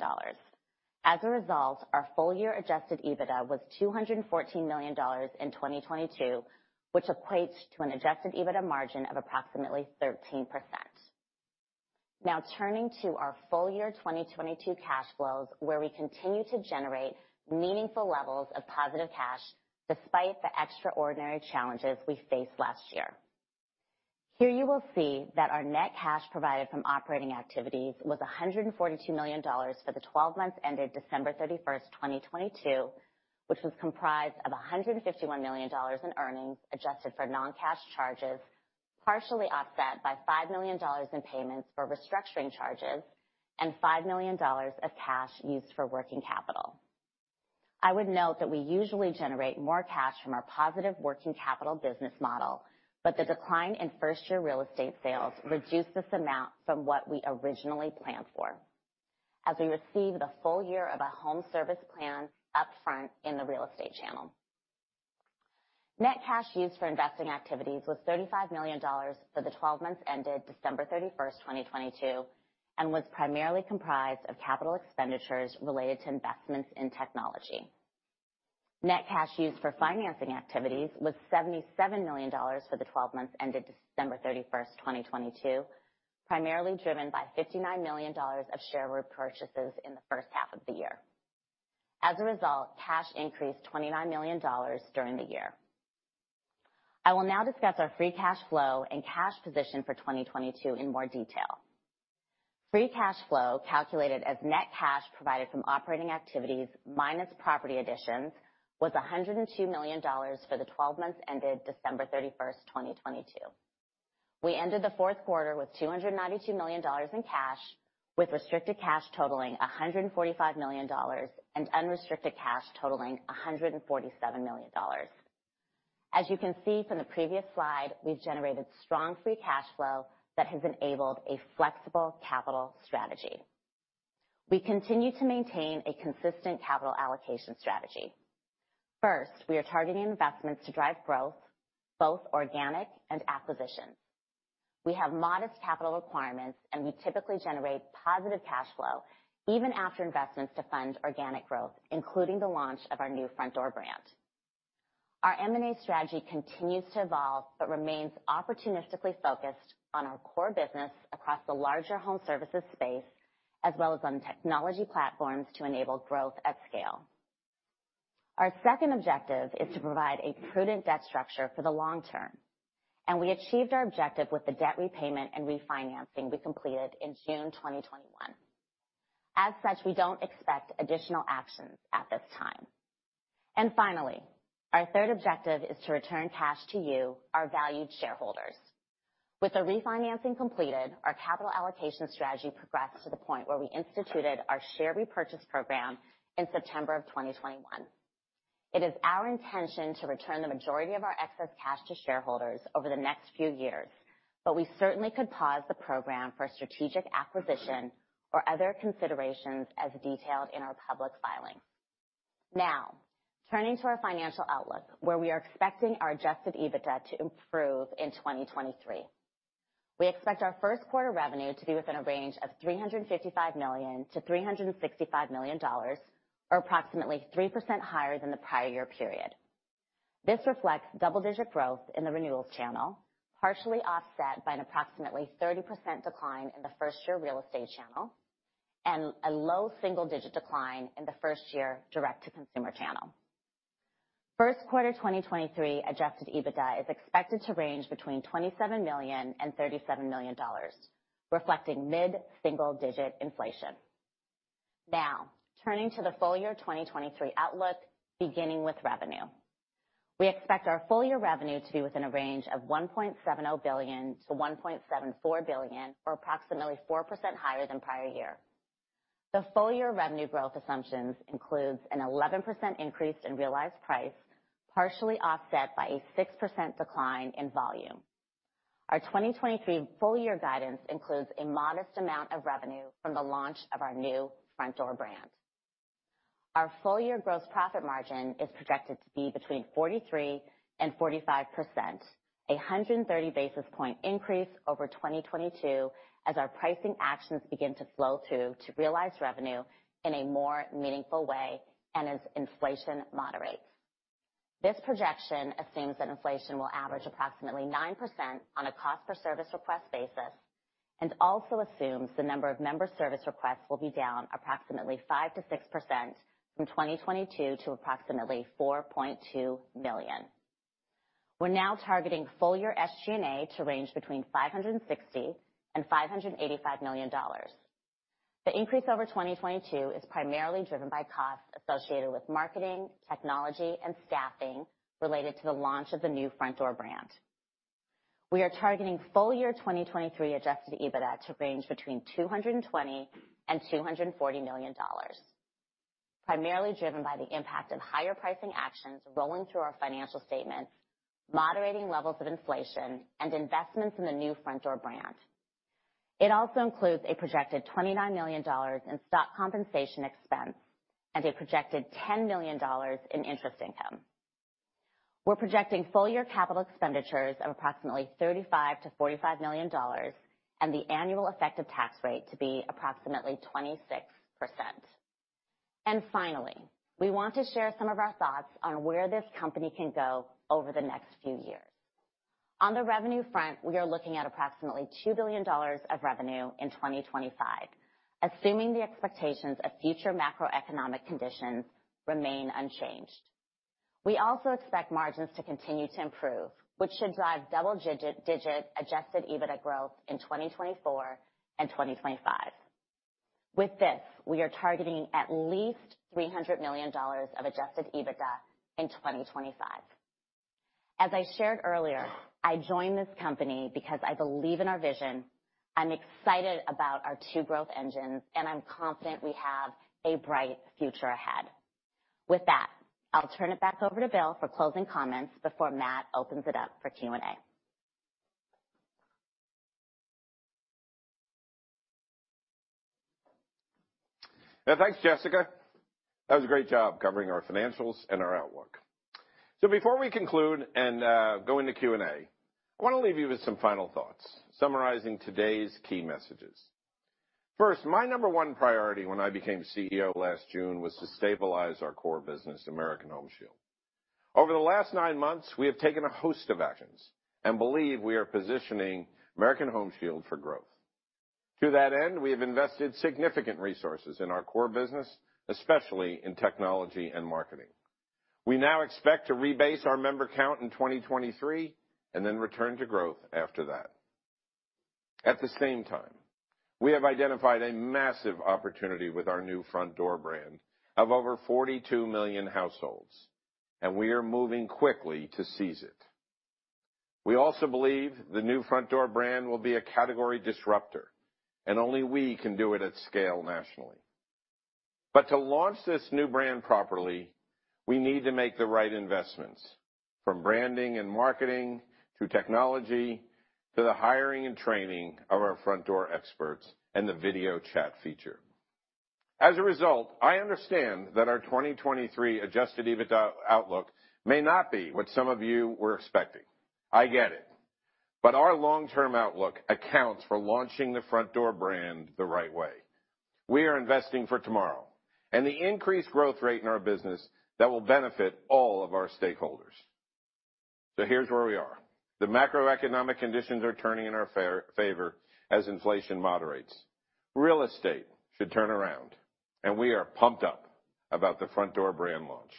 As a result, our full year adjusted EBITDA was $214 million in 2022, which equates to an adjusted EBITDA margin of approximately 13%. Now turning to our full year 2022 cash flows, where we continue to generate meaningful levels of positive cash despite the extraordinary challenges we faced last year. Here you will see that our net cash provided from operating activities was $142 million for the 12 months ended December 31, 2022, which was comprised of $151 million in earnings adjusted for non-cash charges, partially offset by $5 million in payments for restructuring charges and $5 million of cash used for working capital. I would note that we usually generate more cash from our positive working capital business model, the decline in first-year real estate sales reduced this amount from what we originally planned for, as we received a full year of a home service plan upfront in the real estate channel. Net cash used for investing activities was $35 million for the 12 months ended December 31st, 2022, was primarily comprised of capital expenditures related to investments in technology. Net cash used for financing activities was $77 million for the 12 months ended December 31st, 2022, primarily driven by $59 million of share repurchases in the first half of the year. As a result, cash increased $29 million during the year. I will now discuss our free cash flow and cash position for 2022 in more detail. Free cash flow, calculated as net cash provided from operating activities minus property additions, was $102 million for the 12 months ended December 31, 2022. We ended the fourth quarter with $292 million in cash, with restricted cash totaling $145 million and unrestricted cash totaling $147 million. As you can see from the previous slide, we've generated strong free cash flow that has enabled a flexible capital strategy. We continue to maintain a consistent capital allocation strategy. First, we are targeting investments to drive growth, both organic and acquisitions. We have modest capital requirements, and we typically generate positive cash flow even after investments to fund organic growth, including the launch of our new Frontdoor brand. Our M&A strategy continues to evolve but remains opportunistically focused on our core business across the larger home services space as well as on technology platforms to enable growth at scale. Our second objective is to provide a prudent debt structure for the long term, and we achieved our objective with the debt repayment and refinancing we completed in June 2021. As such, we don't expect additional actions at this time. Finally, our third objective is to return cash to you, our valued shareholders. With the refinancing completed, our capital allocation strategy progressed to the point where we instituted our share repurchase program in September of 2021. It is our intention to return the majority of our excess cash to shareholders over the next few years, but we certainly could pause the program for a strategic acquisition or other considerations as detailed in our public filing. Turning to our financial outlook, where we are expecting our adjusted EBITDA to improve in 2023. We expect our first quarter revenue to be within a range of $355 million-$365 million or approximately 3% higher than the prior year period. This reflects double-digit growth in the renewals channel, partially offset by an approximately 30% decline in the first-year real estate channel and a low single-digit decline in the first-year direct-to-consumer channel. First quarter 2023 adjusted EBITDA is expected to range between $27 million-$37 million, reflecting mid-single digit inflation. Turning to the full year 2023 outlook, beginning with revenue. We expect our full year revenue to be within a range of $1.70 billion-$1.74 billion or approximately 4% higher than prior year. The full year revenue growth assumptions includes an 11% increase in realized price, partially offset by a 6% decline in volume. Our 2023 full year guidance includes a modest amount of revenue from the launch of our new Frontdoor brand. Our full year gross profit margin is projected to be between 43% and 45%, a 130 basis point increase over 2022 as our pricing actions begin to flow through to realized revenue in a more meaningful way and as inflation moderates. This projection assumes that inflation will average approximately 9% on a cost per service request basis, and also assumes the number of member service requests will be down approximately 5%-6% from 2022 to approximately 4.2 million. We're now targeting full year SG&A to range between $560 million-$585 million. The increase over 2022 is primarily driven by costs associated with marketing, technology, and staffing related to the launch of the new Frontdoor brand. We are targeting full year 2023 adjusted EBITDA to range between $220 million and $240 million. Primarily driven by the impact of higher pricing actions rolling through our financial statements, moderating levels of inflation, and investments in the new Frontdoor brand. It also includes a projected $29 million in stock compensation expense and a projected $10 million in interest income. We're projecting full year capital expenditures of approximately $35 million-$45 million and the annual effective tax rate to be approximately 26%. Finally, we want to share some of our thoughts on where this company can go over the next few years. On the revenue front, we are looking at approximately $2 billion of revenue in 2025, assuming the expectations of future macroeconomic conditions remain unchanged. We also expect margins to continue to improve, which should drive double-digit adjusted EBITDA growth in 2024 and 2025. With this, we are targeting at least $300 million of adjusted EBITDA in 2025. As I shared earlier, I joined this company because I believe in our vision. I'm excited about our two growth engines, and I'm confident we have a bright future ahead. With that, I'll turn it back over to Bill for closing comments before Matt opens it up for Q&A. Thanks, Jessica. That was a great job covering our financials and our outlook. Before we conclude and go into Q&A, I wanna leave you with some final thoughts summarizing today's key messages. First, my number one priority when I became CEO last June was to stabilize our core business, American Home Shield. Over the last 9 months, we have taken a host of actions and believe we are positioning American Home Shield for growth. To that end, we have invested significant resources in our core business, especially in technology and marketing. We now expect to rebase our member count in 2023 and then return to growth after that. At the same time, we have identified a massive opportunity with our new Frontdoor brand of over 42 million households, and we are moving quickly to seize it. We also believe the new Frontdoor brand will be a category disruptor, and only we can do it at scale nationally. To launch this new brand properly, we need to make the right investments, from branding and marketing, to technology, to the hiring and training of our Frontdoor experts and the video chat feature. As a result, I understand that our 2023 adjusted EBITDA outlook may not be what some of you were expecting. I get it, our long-term outlook accounts for launching the Frontdoor brand the right way. We are investing for tomorrow and the increased growth rate in our business that will benefit all of our stakeholders. Here's where we are. The macroeconomic conditions are turning in our favor as inflation moderates. Real estate should turn around, and we are pumped up about the Frontdoor brand launch.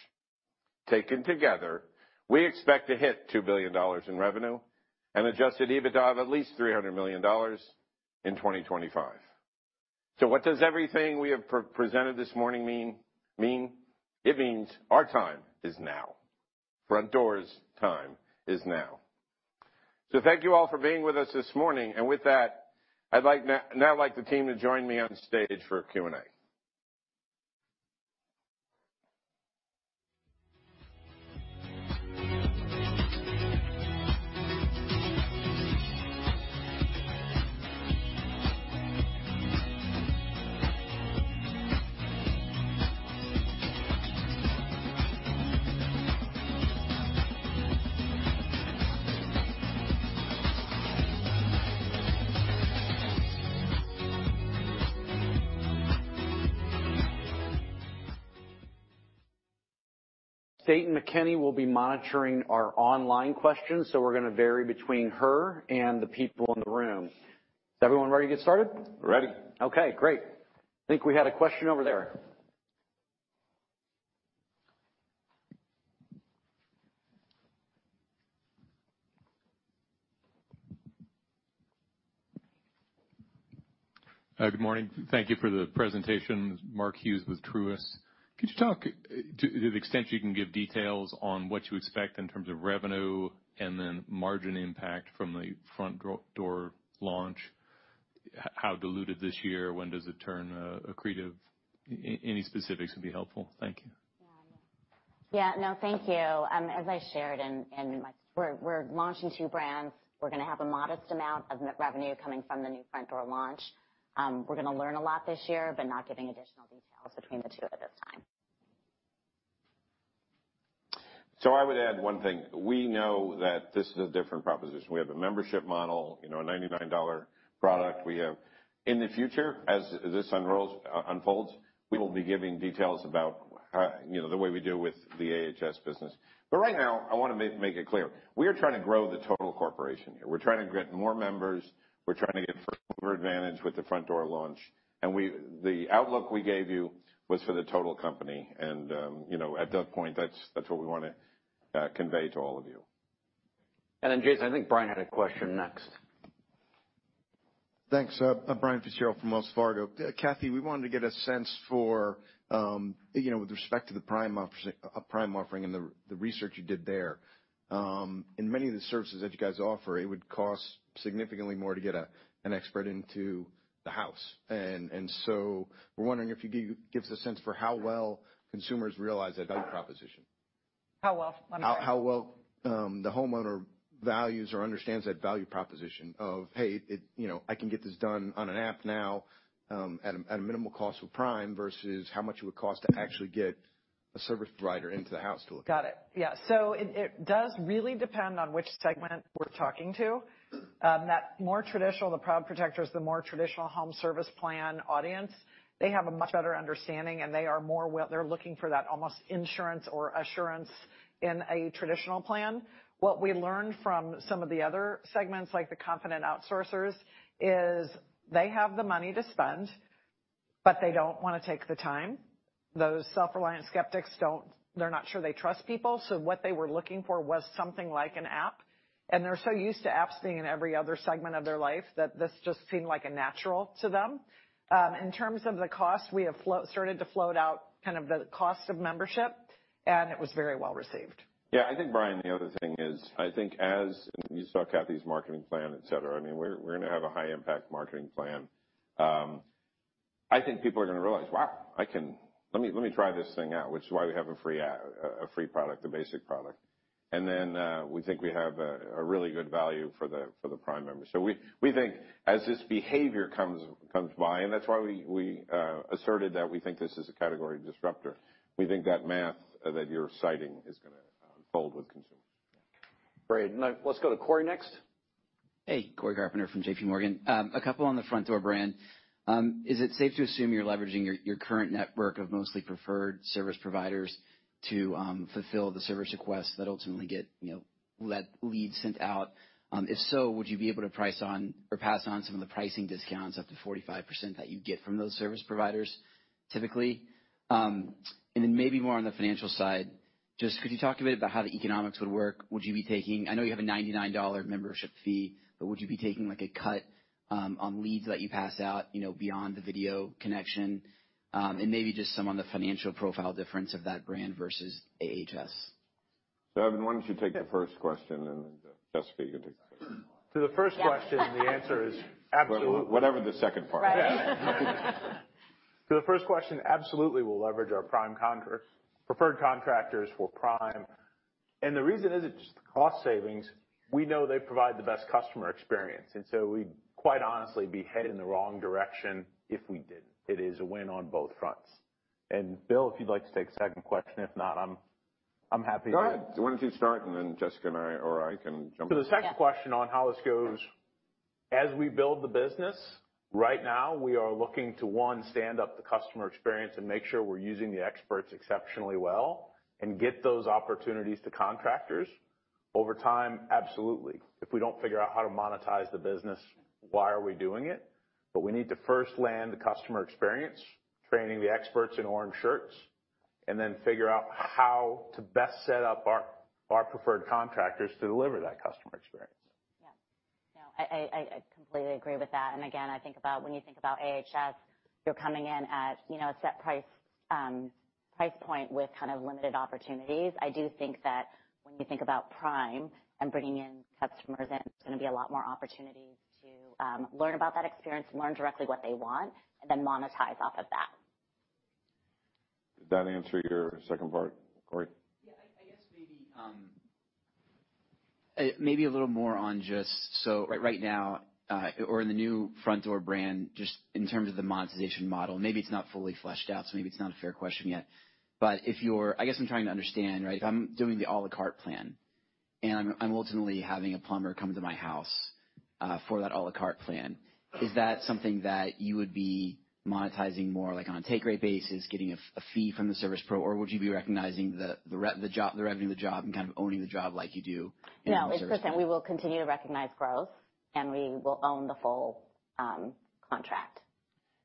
Taken together, we expect to hit $2 billion in revenue and adjusted EBITDA of at least $300 million in 2025. What does everything we have presented this morning mean? It means our time is now. Frontdoor's time is now. Thank you all for being with us this morning. With that, I'd now like the team to join me on stage for Q&A. Dayton McKinney will be monitoring our online questions, so we're gonna vary between her and the people in the room. Is everyone ready to get started? Ready. Okay, great. I think we had a question over there. Good morning. Thank you for the presentation. Mark Hughes with Truist. Could you talk to the extent you can give details on what you expect in terms of revenue and then margin impact from the Frontdoor launch? How diluted this year? When does it turn accretive? Any specifics would be helpful. Thank you. Yeah. No. Thank you. As I shared, we're launching two brands. We're gonna have a modest amount of net revenue coming from the new Frontdoor launch. We're gonna learn a lot this year. Not giving additional details between the two at this time. I would add one thing. We know that this is a different proposition. We have a membership model, you know, a $99 product. In the future, as this unfolds, we will be giving details about how, you know, the way we do with the AHS business. Right now, I wanna make it clear, we are trying to grow the total corporation here. We're trying to get more members. We're trying to get first-mover advantage with the Frontdoor launch. The outlook we gave you was for the total company. You know, at that point, that's what we wanna convey to all of you. Jason, I think Brian had a question next. Thanks. I'm Brian Fitzgerald from Wells Fargo. Kathy, we wanted to get a sense for, you know, with respect to the Prime office, Prime offering and the research you did there, in many of the services that you guys offer, it would cost significantly more to get an expert into the house. We're wondering if you give us a sense for how well consumers realize that value proposition. How well? I'm sorry. How well the homeowner values or understands that value proposition of, hey, you know, I can get this done on an app now, at a minimal cost with Prime versus how much it would cost to actually get a service provider into the house to look at it. Got it. Yeah. It does really depend on which segment we're talking to. That more traditional, the Proud Protectors, the more traditional home service plan audience, they have a much better understanding, and they are looking for that almost insurance or assurance in a traditional plan. What we learned from some of the other segments, like the Confident Outsourcers, is they have the money to spend, but they don't wanna take the time. Those Self-Reliant Skeptics, they're not sure they trust people, so what they were looking for was something like an app, and they're so used to apps being in every other segment of their life that this just seemed like a natural to them. In terms of the cost, we have started to float out kind of the cost of membership, and it was very well received. Yeah. I think, Brian, the other thing is, I think as you saw Kathy's marketing plan, et cetera, I mean, we're gonna have a high impact marketing plan. I think people are gonna realize, wow, let me try this thing out, which is why we have a free product, a basic product. Then, we think we have a really good value for the Prime members. We think as this behavior comes by, and that's why we asserted that we think this is a category disruptor. We think that math that you're citing is gonna fold with consumers. Great. Now let's go to Cory next. Hey, Cory Carpenter from JPMorgan. A couple on the Frontdoor brand. Is it safe to assume you're leveraging your current network of mostly preferred service providers to fulfill the service requests that ultimately get, you know, let leads sent out? If so, would you be able to price on or pass on some of the pricing discounts up to 45% that you get from those service providers typically? Maybe more on the financial side, just could you talk a bit about how the economics would work? I know you have a $99 membership fee, but would you be taking, like, a cut on leads that you pass out, you know, beyond the video connection? Maybe just some on the financial profile difference of that brand versus AHS. Evan, why don't you take the first question and then, Jessica, you can take the second one. Yeah. To the first question, the answer is absolutely- Whatever the second part is. Right. Yeah. To the first question, absolutely we'll leverage our Prime contractors, preferred contractors for Prime. The reason isn't just the cost savings. We know they provide the best customer experience, and so we'd quite honestly be heading the wrong direction if we didn't. It is a win on both fronts. Bill, if you'd like to take the second question. If not, I'm happy to. Go ahead. Why don't you start, and then Jessica and I or I can jump in. Yeah. To the second question on how this goes, as we build the business, right now we are looking to, one, stand up the customer experience and make sure we're using the experts exceptionally well and get those opportunities to contractors. Over time, absolutely. If we don't figure out how to monetize the business, why are we doing it? We need to first land the customer experience, training the experts in orange shirts, and then figure out how to best set up our preferred contractors to deliver that customer experience. Yeah. No, I completely agree with that. Again, I think about when you think about AHS, you're coming in at, you know, a set price point with kind of limited opportunities. I do think that when you think about Prime and bringing in customers in, there's gonna be a lot more opportunities to learn about that experience and learn directly what they want and then monetize off of that. Did that answer your second part, Cory? Yeah. I guess maybe right now, or in the new Frontdoor brand, just in terms of the monetization model, maybe it's not fully fleshed out, so maybe it's not a fair question yet. I guess I'm trying to understand, right? If I'm doing the a la carte plan, and I'm ultimately having a plumber come to my house, for that a la carte plan, is that something that you would be monetizing more, like, on a take rate basis, getting a fee from the service pro? Would you be recognizing the revenue of the job and kind of owning the job like you do in the service plan? No, it's the same. We will continue to recognize growth. We will own the full contract.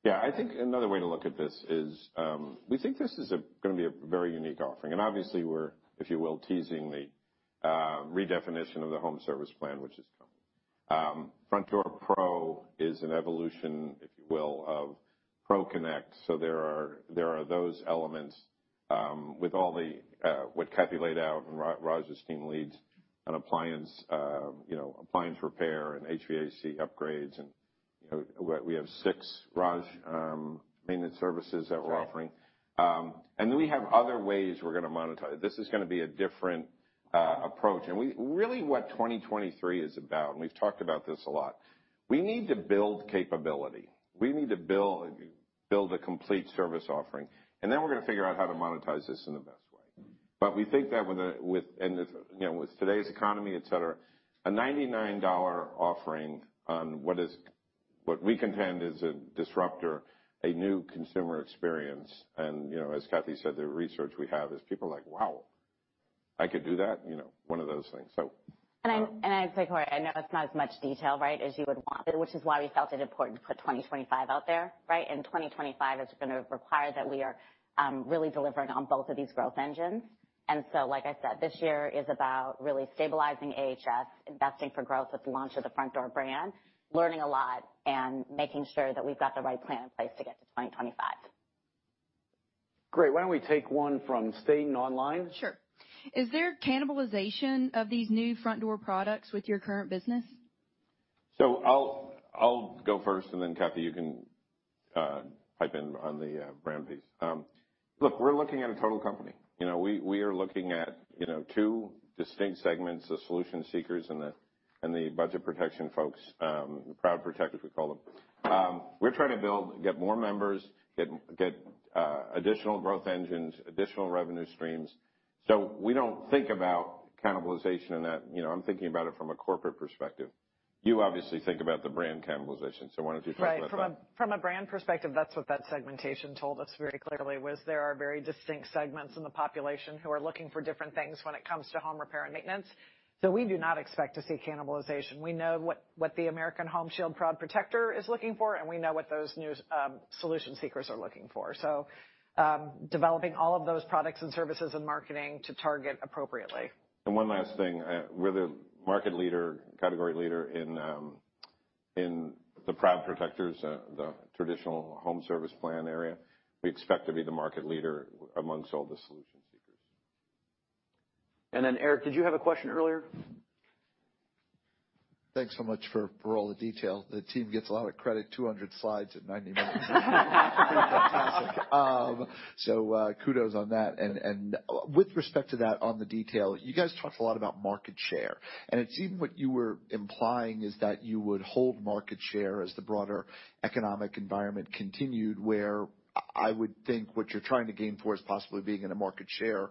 Yeah. I think another way to look at this is, we think this is a, gonna be a very unique offering. Obviously we're, if you will, teasing the redefinition of the home service plan, which is coming. Frontdoor Pro is an evolution, if you will, of ProConnect. There are those elements with all that Kathy laid out and Raj's team leads on appliance, you know, appliance repair and HVAC upgrades and, you know, we have six Raj maintenance services that we're offering. We have other ways we're gonna monetize. This is gonna be a different approach. Really, what 2023 is about, and we've talked about this a lot, we need to build capability. We need to build a complete service offering, then we're gonna figure out how to monetize this in the best way. We think that with... It's, you know, with today's economy, et cetera, a $99 offering on what we contend is a disruptor, a new consumer experience. You know, as Kathy said, the research we have is people are like, "Wow, I could do that?" You know, one of those things. So. I'd say, Cory, I know it's not as much detail, right, as you would want, which is why we felt it important to put 2025 out there, right? 2025 is gonna require that we are really delivering on both of these growth engines. Like I said, this year is about really stabilizing AHS, investing for growth with the launch of the Frontdoor brand, learning a lot, and making sure that we've got the right plan in place to get to 2025. Great. Why don't we take one from State McKinney online? Sure. Is there cannibalization of these new Frontdoor products with your current business? I'll go first and then, Kathy, you can pipe in on the brand piece. Look, we're looking at a total company. You know, we are looking at, you know, two distinct segments, the solution seekers and the budget protection folks, the Proud Protectors, we call them. We're trying to build, get more members, get additional growth engines, additional revenue streams. We don't think about cannibalization in that. You know, I'm thinking about it from a corporate perspective. You obviously think about the brand cannibalization, why don't you talk about that? Right. From a brand perspective, that's what that segmentation told us very clearly, was there are very distinct segments in the population who are looking for different things when it comes to home repair and maintenance. We do not expect to see cannibalization. We know what the American Home Shield Proud Protector is looking for, and we know what those new solution seekers are looking for. Developing all of those products and services and marketing to target appropriately. One last thing. We're the market leader, category leader in the Proud Protectors, the traditional home service plan area. We expect to be the market leader amongst all the solution seekers. Eric, did you have a question earlier? Thanks so much for all the detail. The team gets a lot of credit, 200 slides in 90 minutes. kudos on that. With respect to that, on the detail, you guys talked a lot about market share, and it seemed what you were implying is that you would hold market share as the broader economic environment continued, where I would think what you're trying to gain for is possibly being in a market share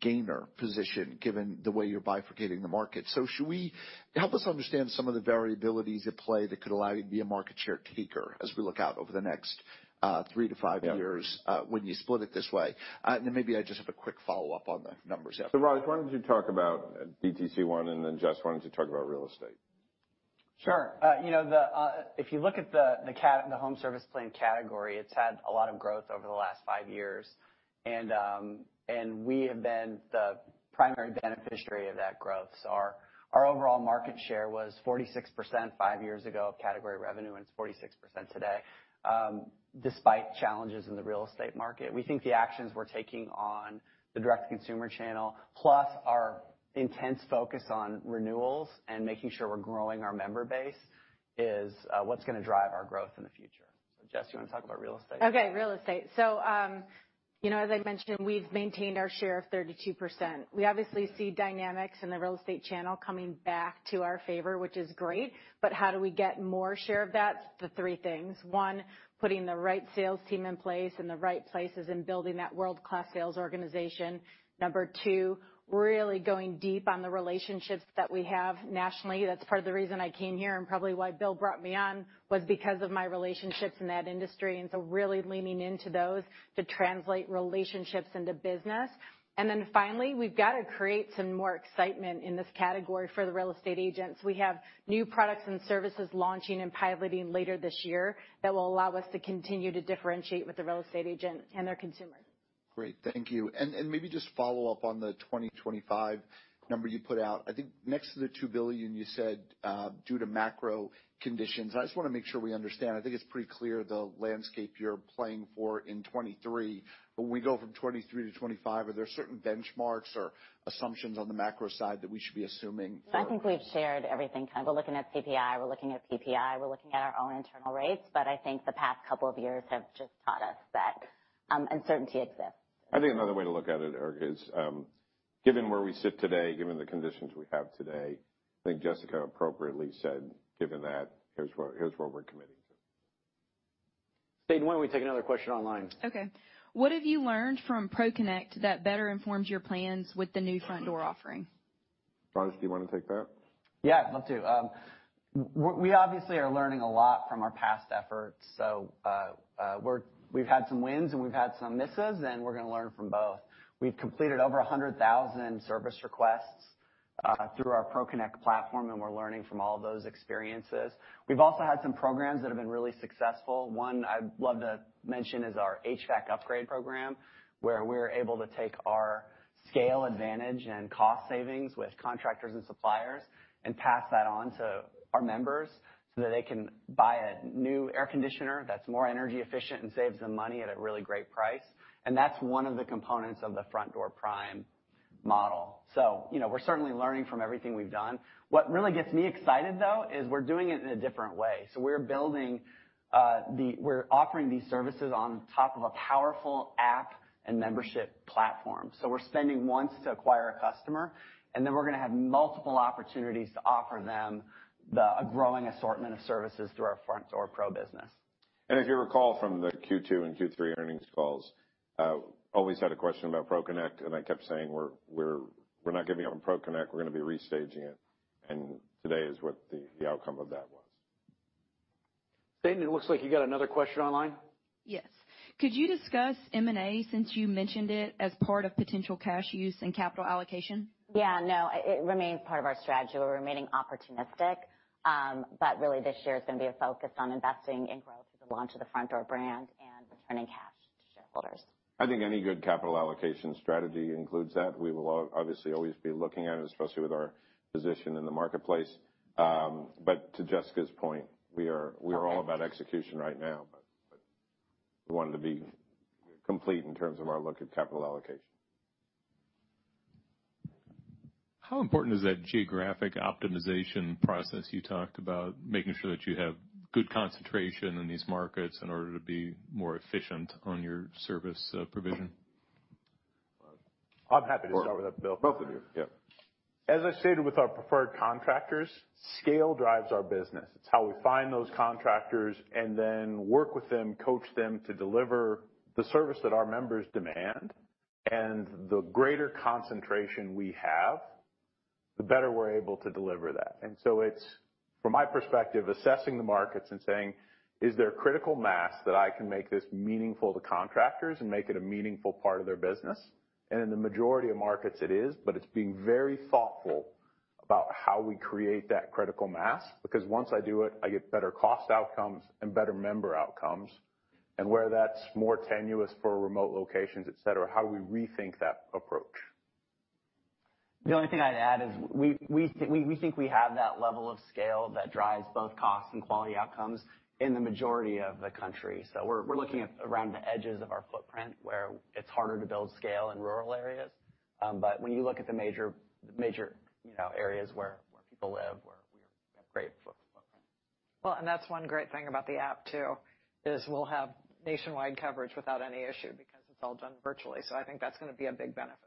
gainer position, given the way you're bifurcating the market. Should we help us understand some of the variabilities at play that could allow you to be a market share taker as we look out over the next 3-5 years? Yeah. When you split it this way. Maybe I just have a quick follow-up on the numbers after. Raj, why don't you talk about D2C one, and then Jess, why don't you talk about real estate? Sure. you know, if you look at the home service plan category, it's had a lot of growth over the last 5 years. We have been the primary beneficiary of that growth. Our overall market share was 46% 5 years ago of category revenue, and it's 46% today. Despite challenges in the real estate market, we think the actions we're taking on the direct-to-consumer channel, plus our intense focus on renewals and making sure we're growing our member base is what's gonna drive our growth in the future. Jess, you wanna talk about real estate? Okay, real estate. You know, as I mentioned, we've maintained our share of 32%. We obviously see dynamics in the real estate channel coming back to our favor, which is great, but how do we get more share of that? The three things. One, putting the right sales team in place in the right places and building that world-class sales organization. Number two, really going deep on the relationships that we have nationally. That's part of the reason I came here and probably why Bill brought me on, was because of my relationships in that industry, really leaning into those to translate relationships into business. Finally, we've got to create some more excitement in this category for the real estate agents. We have new products and services launching and piloting later this year that will allow us to continue to differentiate with the real estate agent and their consumer. Great. Thank you. Maybe just follow up on the 2025 number you put out. I think next to the $2 billion, you said, due to macro conditions. I just wanna make sure we understand. I think it's pretty clear the landscape you're playing for in 2023, but when we go from 2023 to 2025, are there certain benchmarks or assumptions on the macro side that we should be assuming or- I think we've shared everything. Kind of we're looking at CPI, we're looking at PPI, we're looking at our own internal rates, but I think the past couple of years have just taught us that uncertainty exists. I think another way to look at it, Eric, is, given where we sit today, given the conditions we have today, I think Jessica appropriately said, given that, here's what we're committing to. State McKinney, why don't we take another question online? Okay. What have you learned from ProConnect that better informs your plans with the new Frontdoor offering? Raj, do you wanna take that? Yeah, I'd love to. We obviously are learning a lot from our past efforts. We've had some wins and we've had some misses, and we're gonna learn from both. We've completed over 100,000 service requests through our ProConnect platform, and we're learning from all of those experiences. We've also had some programs that have been really successful. One I'd love to mention is our HVAC upgrade program, where we're able to take our scale advantage and cost savings with contractors and suppliers and pass that on to our members, so that they can buy a new air conditioner that's more energy efficient and saves them money at a really great price. That's one of the components of the Frontdoor Prime model. You know, we're certainly learning from everything we've done. What really gets me excited, though, is we're doing it in a different way. We're offering these services on- On top of a powerful app and membership platform. We're spending once to acquire a customer, then we're going to have multiple opportunities to offer them a growing assortment of services through our Frontdoor Pro business. If you recall from the Q2 and Q3 earnings calls, always had a question about Pro Connect, and I kept saying, "We're not giving up on Pro Connect. We're gonna be restaging it." Today is what the outcome of that was. Stephan, it looks like you got another question online. Could you discuss M&A since you mentioned it as part of potential cash use and capital allocation? Yeah, no, it remains part of our strategy. We're remaining opportunistic, but really this year it's gonna be a focus on investing in growth with the launch of the Frontdoor brand and returning cash to shareholders. I think any good capital allocation strategy includes that. We will obviously always be looking at it, especially with our position in the marketplace. To Jessica Ross's point, we are all about execution right now. We wanted to be complete in terms of our look at capital allocation. How important is that geographic optimization process you talked about, making sure that you have good concentration in these markets in order to be more efficient on your service, provision? I'm happy to start with that, Bill. Both of you. Yeah. As I stated with our preferred contractors, scale drives our business. It's how we find those contractors and then work with them, coach them to deliver the service that our members demand. The greater concentration we have, the better we're able to deliver that. It's, from my perspective, assessing the markets and saying, "Is there critical mass that I can make this meaningful to contractors and make it a meaningful part of their business?" In the majority of markets it is, but it's being very thoughtful about how we create that critical mass, because once I do it, I get better cost outcomes and better member outcomes. Where that's more tenuous for remote locations, et cetera, how do we rethink that approach? The only thing I'd add is we think we have that level of scale that drives both costs and quality outcomes in the majority of the country. We're looking at around the edges of our footprint where it's harder to build scale in rural areas. When you look at the major, you know, areas where people live, where we have great footprint. Well, that's one great thing about the Frontdoor app too, is we'll have nationwide coverage without any issue because it's all done virtually. I think that's gonna be a big benefit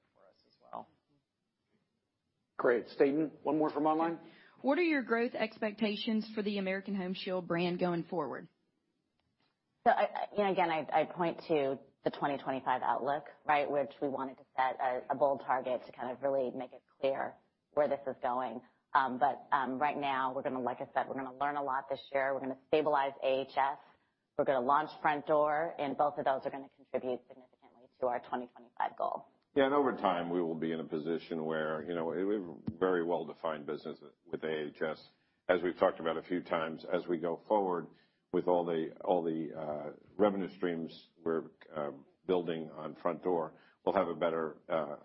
for us as well. Great. Stephan, one more from online. What are your growth expectations for the American Home Shield brand going forward? Again, I point to the 2025 outlook, right. Which we wanted to set a bold target to kind of really make it clear where this is going. Right now we're gonna, like I said, we're gonna learn a lot this year. We're gonna stabilize AHS. We're gonna launch Frontdoor, and both of those are gonna contribute significantly to our 2025 goal. Yeah, over time, we will be in a position where, you know, we have a very well-defined business with AHS. As we've talked about a few times, as we go forward with all the revenue streams we're building on Frontdoor, we'll have a better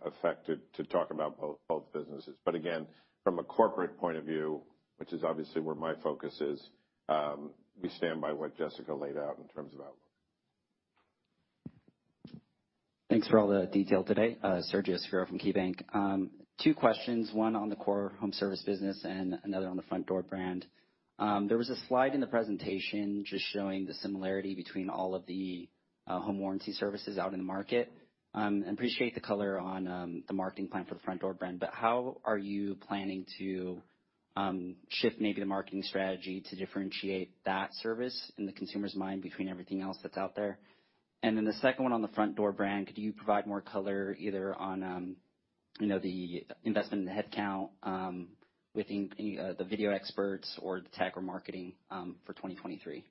effect to talk about both businesses. Again, from a corporate point of view, which is obviously where my focus is, we stand by what Jessica laid out in terms of outlook. Thanks for all the detail today. Sergio Segura from KeyBanc. Two questions, one on the core home service business and another on the Frontdoor brand. There was a slide in the presentation just showing the similarity between all of the home warranty services out in the market. Appreciate the color on the marketing plan for the Frontdoor brand. How are you planning to shift maybe the marketing strategy to differentiate that service in the consumer's mind between everything else that's out there? The second one on the Frontdoor brand, could you provide more color either on, you know, the investment in the headcount, within the video experts or the tech or marketing, for 2023?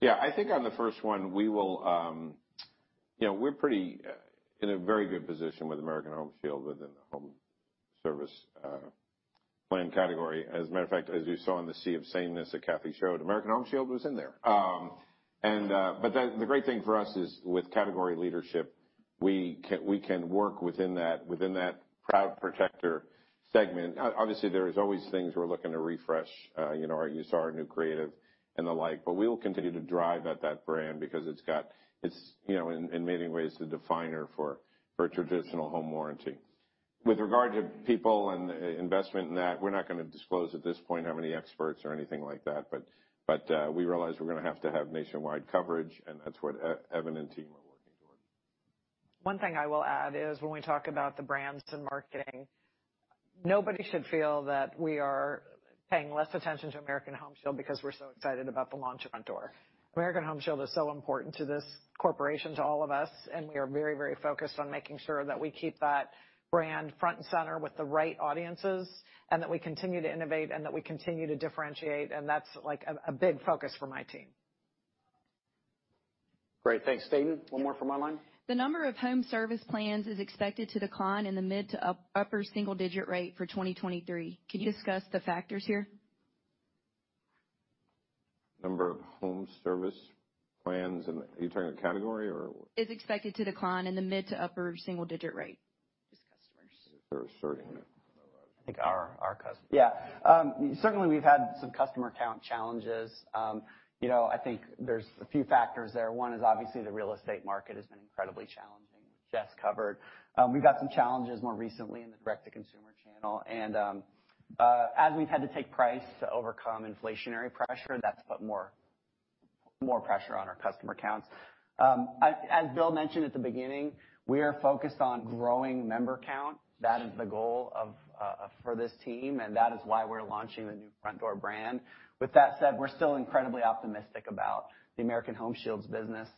Yeah. I think on the first one, we will, you know, we're pretty in a very good position with American Home Shield within the home service plan category. As a matter of fact, as you saw in the Sea of Sameness that Kathy showed, American Home Shield was in there. The great thing for us is with category leadership, we can, we can work within that, within that Proud Protector segment. Obviously there is always things we're looking to refresh. You know, you saw our new creative and the like. We will continue to drive at that brand because it's, you know, in many ways the definer for traditional home warranty. With regard to people and investment in that, we're not gonna disclose at this point how many experts or anything like that, but, we realize we're gonna have to have nationwide coverage, and that's what Evan and team are working towards. One thing I will add is when we talk about the brands and marketing, nobody should feel that we are paying less attention to American Home Shield because we're so excited about the launch of Frontdoor. American Home Shield is so important to this corporation, to all of us, and we are very, very focused on making sure that we keep that brand front and center with the right audiences, and that we continue to innovate and that we continue to differentiate, and that's, like, a big focus for my team. Great. Thanks. Stephan, one more from online. The number of home service plans is expected to decline in the mid to upper single digit rate for 2023. Can you discuss the factors here? Number of home service plans. Are you talking about category or? Is expected to decline in the mid to upper single digit rate. Just customers. There are certain-. I think our customers. Yeah. Certainly we've had some customer count challenges. You know, I think there's a few factors there. One is obviously the real estate market has been incredibly challenging. Jess covered. We've got some challenges more recently in the direct-to-consumer channel. As we've had to take price to overcome inflationary pressure, that's put more pressure on our customer counts. As Bill mentioned at the beginning, we are focused on growing member count. That is the goal for this team, and that is why we're launching the new Frontdoor brand. With that said, we're still incredibly optimistic about the American Home Shield's business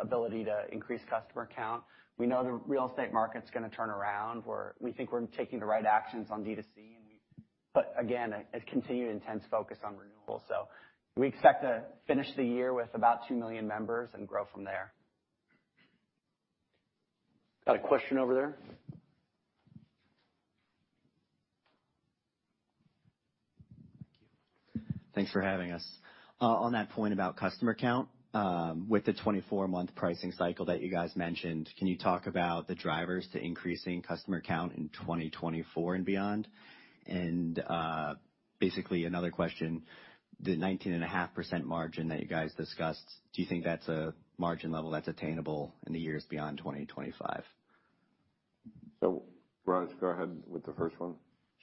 ability to increase customer count. We know the real estate market's gonna turn around, we think we're taking the right actions on D2C, but again, a continued intense focus on renewal. We expect to finish the year with about 2 million members and grow from there. Got a question over there. Thank you. Thanks for having us. On that point about customer count, with the 24 month pricing cycle that you guys mentioned, can you talk about the drivers to increasing customer count in 2024 and beyond? Basically another question, the 19.5% margin that you guys discussed, do you think that's a margin level that's attainable in the years beyond 2025? Raj, go ahead with the first one.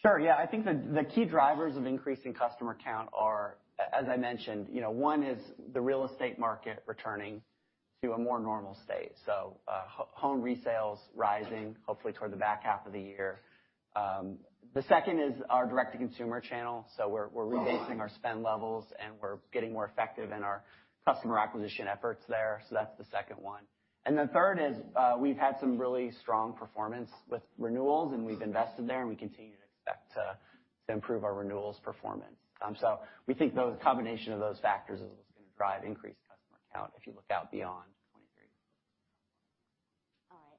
Sure, yeah. I think the key drivers of increasing customer count are, as I mentioned, you know, one is the real estate market returning to a more normal state. Home resales rising, hopefully toward the back half of the year. The second is our direct-to-consumer channel. We're rebasing our spend levels, and we're getting more effective in our customer acquisition efforts there. That's the second one. The third is, we've had some really strong performance with renewals, and we've invested there, and we continue to expect to improve our renewals performance. We think those combination of those factors is what's gonna drive increased customer count if you look out beyond 23. All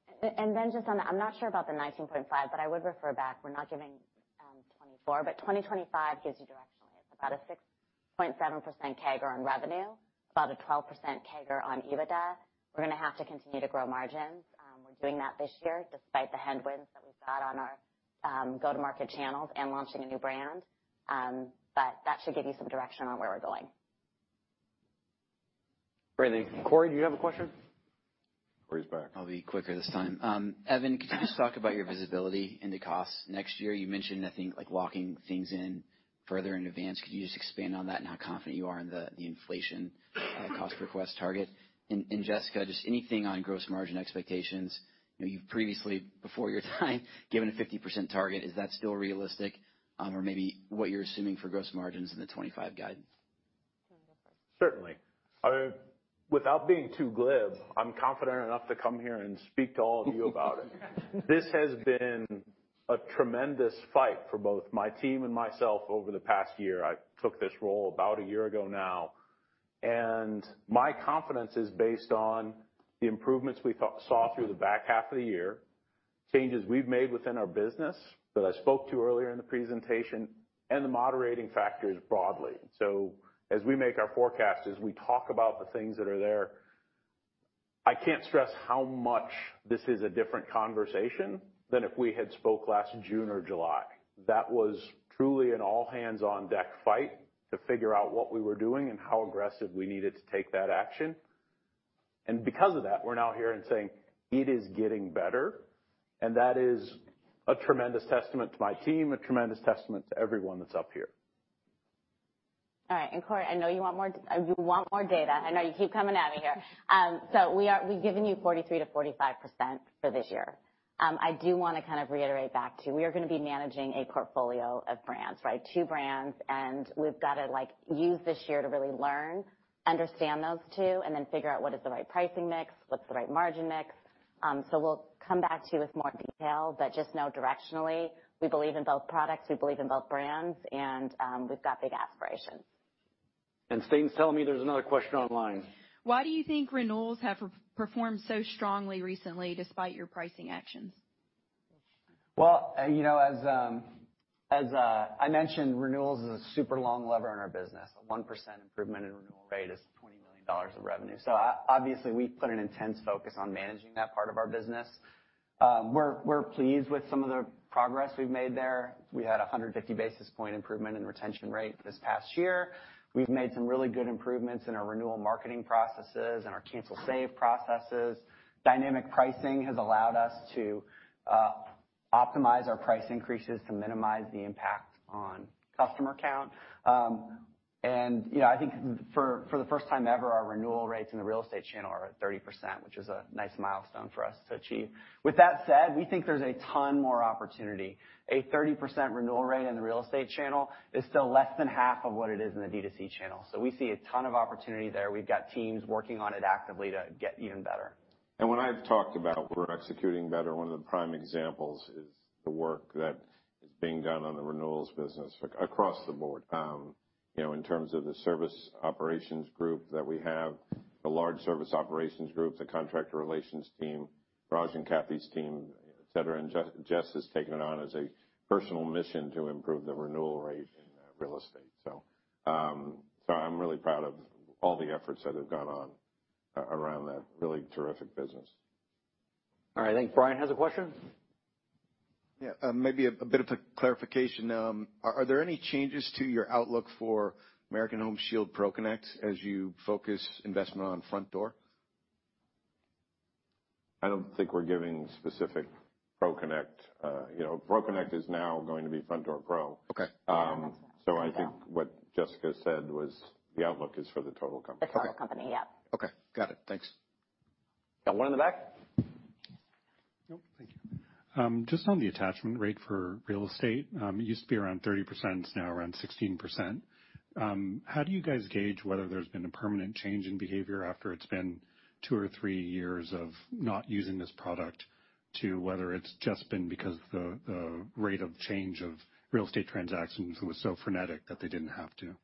right. Just on the... I'm not sure about the 19.5, but I would refer back. We're not giving 2024, but 2025 gives you directionally. It's about a 6.7% CAGR on revenue, about a 12% CAGR on EBITDA. We're gonna have to continue to grow margins. We're doing that this year despite the headwinds that we've got on our go-to-market channels and launching a new brand. That should give you some direction on where we're going. Great. Thank you. Cory, do you have a question? Cory's back. I'll be quicker this time. Evan, could you just talk about your visibility into costs next year? You mentioned, I think, like, locking things in further in advance. Could you just expand on that and how confident you are in the inflation cost request target? Jessica, just anything on gross margin expectations. You know, you've previously, before your time, given a 50% target, is that still realistic? Or maybe what you're assuming for gross margins in the 2025 guidance. Do you wanna go first? Certainly. Without being too glib, I'm confident enough to come here and speak to all of you about it. This has been a tremendous fight for both my team and myself over the past year. I took this role about a year ago now, and my confidence is based on the improvements we saw through the back half of the year, changes we've made within our business that I spoke to earlier in the presentation, and the moderating factors broadly. As we make our forecast, as we talk about the things that are there, I can't stress how much this is a different conversation than if we had spoke last June or July. That was truly an all hands on deck fight to figure out what we were doing and how aggressive we needed to take that action. Because of that, we're now here and saying it is getting better, and that is a tremendous testament to my team, a tremendous testament to everyone that's up here. All right. Cory, I know you want more, you want more data. I know you keep coming at me here. We've given you 43%-45% for this year. I do wanna kind of reiterate back to you, we are gonna be managing a portfolio of brands, right? Two brands, we've gotta, like, use this year to really learn, understand those two, then figure out what is the right pricing mix, what's the right margin mix. We'll come back to you with more detail, just know directionally, we believe in both products, we believe in both brands, we've got big aspirations. State McKinney, tell me there's another question online. Why do you think renewals have re-performed so strongly recently despite your pricing actions? Well, you know, as I mentioned, renewals is a super long lever in our business. A 1% improvement in renewal rate is $20 million of revenue. Obviously, we put an intense focus on managing that part of our business. We're pleased with some of the progress we've made there. We had a 150 basis point improvement in retention rate this past year. We've made some really good improvements in our renewal marketing processes and our cancel save processes. Dynamic pricing has allowed us to optimize our price increases to minimize the impact on customer count. You know, I think for the first time ever, our renewal rates in the real estate channel are at 30%, which is a nice milestone for us to achieve. With that said, we think there's a ton more opportunity. A 30% renewal rate in the real estate channel is still less than half of what it is in the D2C channel. We see a ton of opportunity there. We've got teams working on it actively to get even better. When I've talked about we're executing better, one of the prime examples is the work that is being done on the renewals business across the board. you know, in terms of the service operations group that we have, the large service operations group, the contractor relations team, Raj and Kathy's team, et cetera. Jess has taken it on as a personal mission to improve the renewal rate in real estate. I'm really proud of all the efforts that have gone on, around that really terrific business. All right. I think Brian has a question. Maybe a bit of a clarification. Are there any changes to your outlook for American Home Shield ProConnect as you focus investment on Frontdoor? I don't think we're giving specific ProConnect. you know, ProConnect is now going to be Frontdoor Pro. Okay. I think what Jessica said was the outlook is for the total company. The total company, yep. Okay. Got it. Thanks. Got one in the back? Thank you. Just on the attachment rate for real estate, it used to be around 30%, it's now around 16%. How do you guys gauge whether there's been a permanent change in behavior after it's been two or three years of not using this product to whether it's just been because the rate of change of real estate transactions was so frenetic that they didn't have to?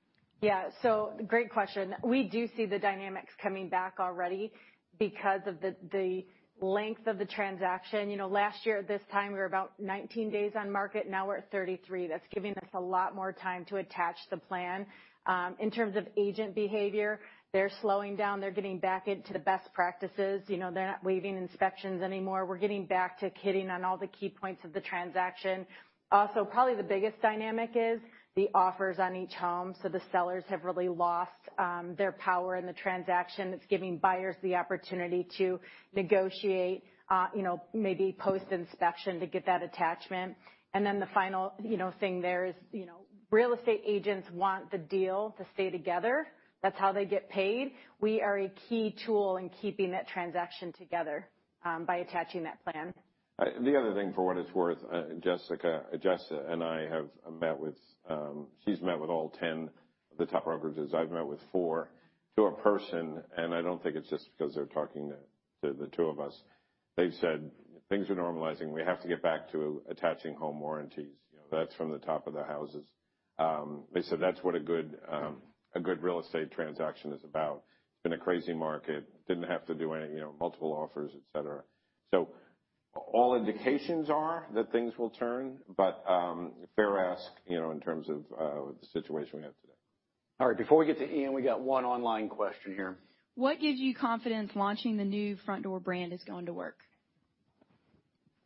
Great question. We do see the dynamics coming back already because of the length of the transaction. You know, last year at this time, we were about 19 days on market, now we're at 33. That's giving us a lot more time to attach the plan. In terms of agent behavior, they're slowing down. They're getting back into the best practices. You know, they're not waiving inspections anymore. We're getting back to kidding on all the key points of the transaction. Probably the biggest dynamic is the offers on each home, so the sellers have really lost their power in the transaction. It's giving buyers the opportunity to negotiate, you know, maybe post-inspection to get that attachment. The final, you know, thing there is, you know, real estate agents want the deal to stay together. That's how they get paid. We are a key tool in keeping that transaction together, by attaching that plan. The other thing, for what it's worth, Jessica and I have met with, she's met with all 10 of the top brokerages. I've met with 4 to a person, and I don't think it's just because they're talking to the two of us. They've said, "Things are normalizing. We have to get back to attaching home warranties." You know, that's from the top of their houses. They said that's what a good, a good real estate transaction is about. It's been a crazy market, didn't have to do any, you know, multiple offers, et cetera. All indications are that things will turn, but, fair ask, you know, in terms of, the situation we have today. All right. Before we get to Ian, we got one online question here. What gives you confidence launching the new Frontdoor brand is going to work?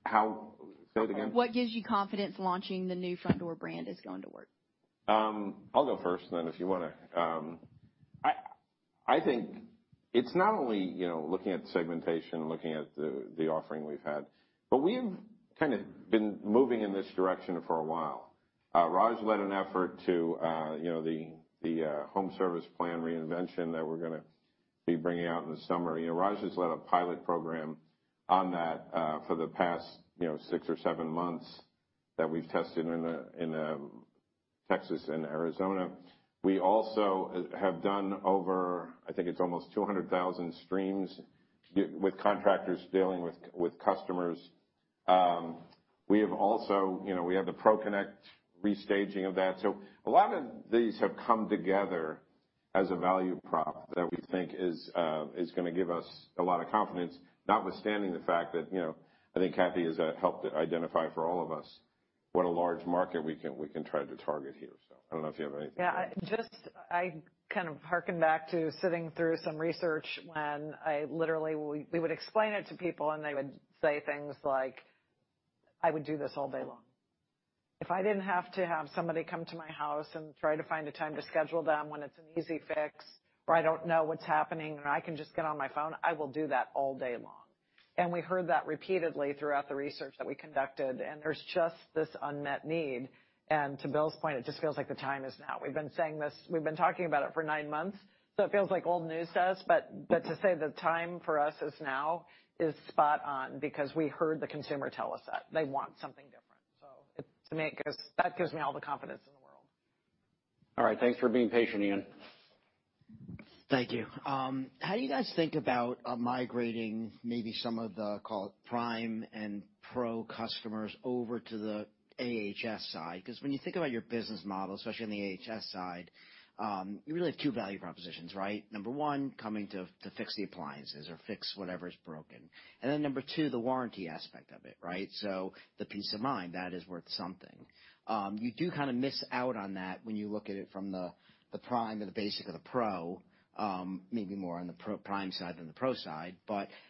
Say that again? What gives you confidence launching the new Frontdoor brand is going to work? I'll go first, and then if you wanna... I think it's not only, you know, looking at segmentation, looking at the offering we've had, but we've kind of been moving in this direction for a while. Raj led an effort to, you know, the home service plan reinvention that we're gonna be bringing out in the summer. You know, Raj has led a pilot program on that for the past, you know, six or seven months that we've tested in Texas and Arizona. We also have done over, I think it's almost 200,000 streams with contractors dealing with customers. We have also, you know, we have the ProConnect restaging of that. A lot of these have come together as a value prop that we think is gonna give us a lot of confidence, notwithstanding the fact that, you know, I think Kathy has helped to identify for all of us what a large market we can try to target here. I don't know if you have anything to add. Yeah. Just I kind of harken back to sitting through some research when I literally. We would explain it to people and they would say things like, "I would do this all day long. If I didn't have to have somebody come to my house and try to find a time to schedule them when it's an easy fix or I don't know what's happening and I can just get on my phone, I will do that all day long." We heard that repeatedly throughout the research that we conducted, and there's just this unmet need. To Bill's point, it just feels like the time is now. We've been saying this, we've been talking about it for nine months, so it feels like old news to us. To say the time for us is now is spot on because we heard the consumer tell us that they want something different. To me That gives me all the confidence in the world. All right. Thanks for being patient, Ian. Thank you. How do you guys think about migrating maybe some of the, call it, Prime and Pro customers over to the AHS side? When you think about your business model, especially on the AHS side, you really have two value propositions, right? Number one, coming to fix the appliances or fix whatever is broken. Number two, the warranty aspect of it, right? The peace of mind, that is worth something. You do kinda miss out on that when you look at it from the Prime or the Basic or the Pro, maybe more on the Pro-Prime side than the Pro side.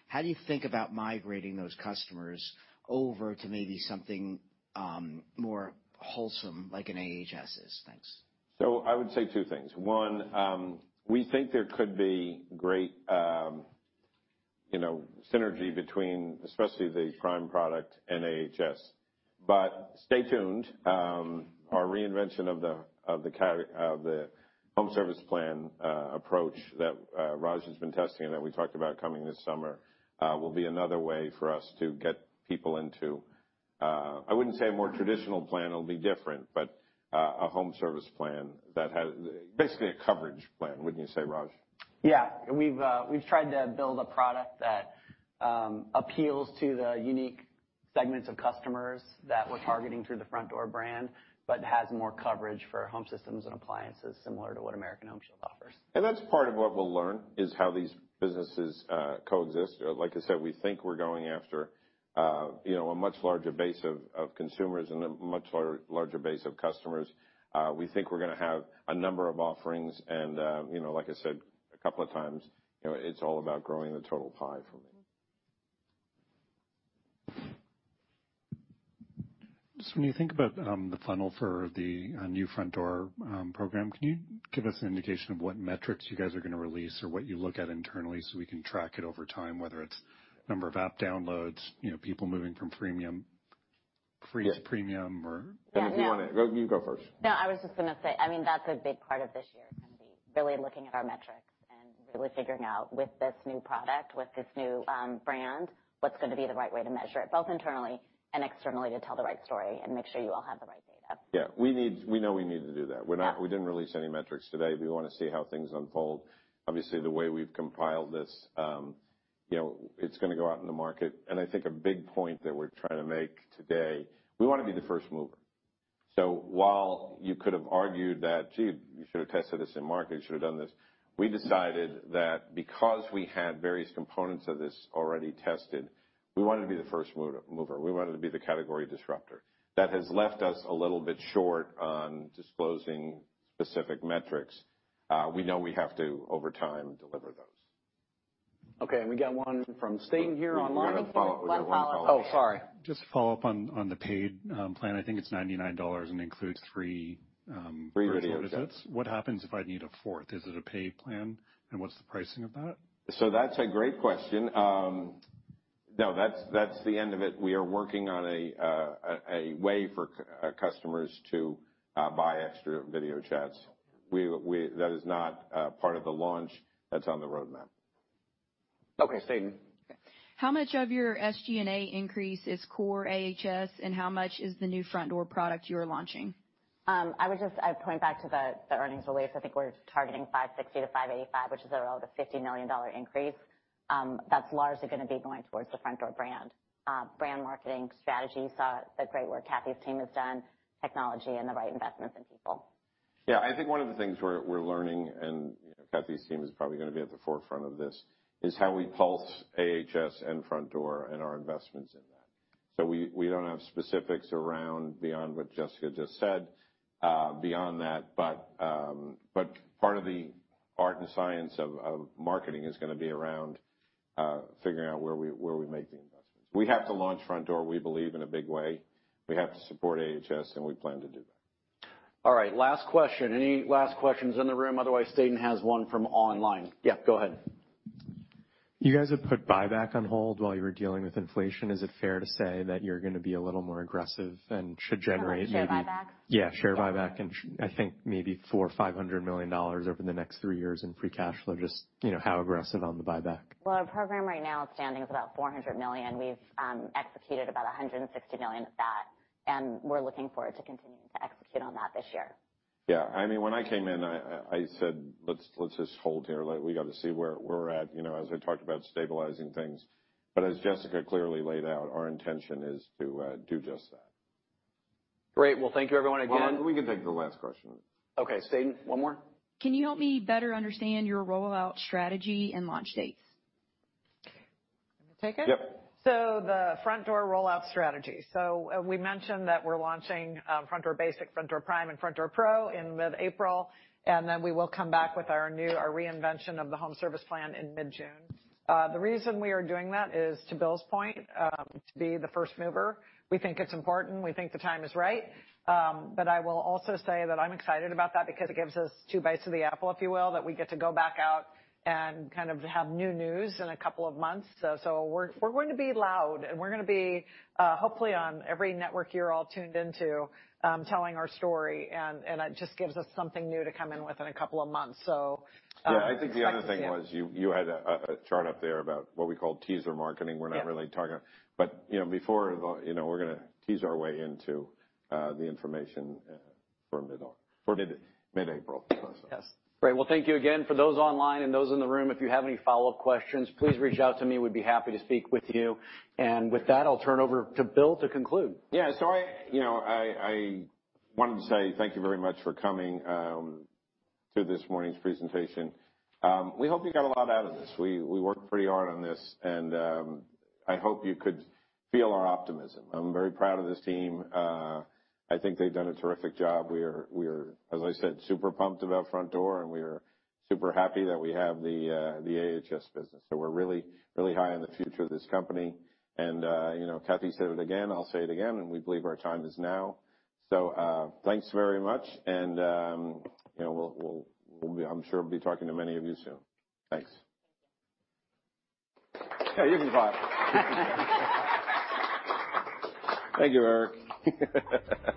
How do you think about migrating those customers over to maybe something more wholesome like an AHS is? Thanks. I would say two things. One, we think there could be great, you know, synergy between especially the Frontdoor Prime product and AHS. Stay tuned. Our reinvention of the home service plan approach that Raj has been testing and that we talked about coming this summer will be another way for us to get people into, I wouldn't say a more traditional plan, it'll be different, but a home service plan that has basically a coverage plan, wouldn't you say, Raj? We've tried to build a product that appeals to the unique segments of customers that we're targeting through the Frontdoor brand, but has more coverage for home systems and appliances similar to what American Home Shield offers. That's part of what we'll learn, is how these businesses coexist. Like I said, we think we're going after, you know, a much larger base of consumers and a much larger base of customers. We think we're gonna have a number of offerings and, you know, like I said a couple of times, you know, it's all about growing the total pie for us. When you think about the funnel for the new Frontdoor program, can you give us an indication of what metrics you guys are gonna release or what you look at internally so we can track it over time, whether it's number of app downloads, you know, people moving from premium, free to premium? Yeah. No. Whatever you want. You go first. I was just gonna say, I mean, that's a big part of this year is gonna be really looking at our metrics and really figuring out with this new product, with this new brand, what's gonna be the right way to measure it, both internally and externally, to tell the right story and make sure you all have the right data. Yeah. We know we need to do that. Yeah. We didn't release any metrics today. We wanna see how things unfold. Obviously, the way we've compiled this, you know, it's gonna go out in the market. I think a big point that we're trying to make today, we wanna be the first mover. While you could have argued that, "Gee, you should have tested this in market, you should have done this," we decided that because we had various components of this already tested, we wanted to be the first mover. We wanted to be the category disruptor. That has left us a little bit short on disclosing specific metrics. We know we have to, over time, deliver those. Okay, we got one from Staytın here online. We got a follow-up. We got one follow-up. One follow-up. Oh, sorry. Just to follow up on the paid plan. I think it's $99 and includes three video visits. Three video visits. What happens if I need a fourth? Is it a paid plan? What's the pricing of that? That's a great question. No, that's the end of it. We are working on a way for customers to buy extra video chats. That is not part of the launch. That's on the roadmap. Okay. Dayton McKenney. How much of your SG&A increase is core AHS, and how much is the new Frontdoor product you're launching? I'd point back to the earnings release. I think we're targeting $560-$585, which is around a $50 million increase. That's largely gonna be going towards the Frontdoor brand marketing strategy. You saw the great work Kathy's team has done, technology and the right investments in people. I think one of the things we're learning, and Kathy's team is probably gonna be at the forefront of this, is how we pulse AHS and Frontdoor and our investments in that. We don't have specifics around, beyond what Jessica just said, beyond that. But part of the art and science of marketing is gonna be around figuring out where we, where we make the investments. We have to launch Frontdoor, we believe, in a big way. We have to support AHS, and we plan to do that. All right, last question. Any last questions in the room? Otherwise, State McKinney has one from online. Yeah, go ahead. You guys have put buyback on hold while you were dealing with inflation. Is it fair to say that you're gonna be a little more aggressive and should generate maybe-? You're talking share buybacks? Yeah, share buyback. I think maybe $400 million-$500 million over the next three years in free cash flow. Just, you know, how aggressive on the buyback. Well, our program right now standing is about $400 million. We've executed about $160 million of that, and we're looking forward to continuing to execute on that this year. Yeah. I mean, when I came in, I said, "Let's just hold here. We gotta see where we're at," you know, as I talked about stabilizing things. As Jessica clearly laid out, our intention is to do just that. Great. Well, thank you everyone again. Well, we can take the last question. Okay. State McKinney, one more. Can you help me better understand your rollout strategy and launch dates? You want me to take it? Yep. The Frontdoor rollout strategy. We mentioned that we're launching Frontdoor Basic, Frontdoor Prime, and Frontdoor Pro in mid-April, and then we will come back with our reinvention of the Home Service plan in mid-June. The reason we are doing that is, to Bill's point, to be the first mover. We think it's important. We think the time is right. I will also say that I'm excited about that because it gives us two bites of the apple, if you will, that we get to go back out and kind of have new news in a couple of months. We're going to be loud, and we're gonna be hopefully on every network you're all tuned into, telling our story. It just gives us something new to come in with in a couple of months. Expect to see us. Yeah. I think the other thing was you had a chart up there about what we call teaser marketing. Yeah. We're not really talking... You know, before, you know, we're gonna tease our way into the information for mid-April. Yes. Great. Well, thank you again. For those online and those in the room, if you have any follow-up questions, please reach out to me. We'd be happy to speak with you. With that, I'll turn over to Bill to conclude. Yeah. I, you know, I wanted to say thank you very much for coming to this morning's presentation. We hope you got a lot out of this. We worked pretty hard on this and I hope you could feel our optimism. I'm very proud of this team. I think they've done a terrific job. We are, as I said, super pumped about Frontdoor, and we are super happy that we have the AHS business. We're really, really high on the future of this company. You know, Kathy said it again, I'll say it again, and we believe our time is now. Thanks very much and, you know, we'll be talking to many of you soon. Thanks. Thank you. Yeah, you can clap. Thank you, Eric.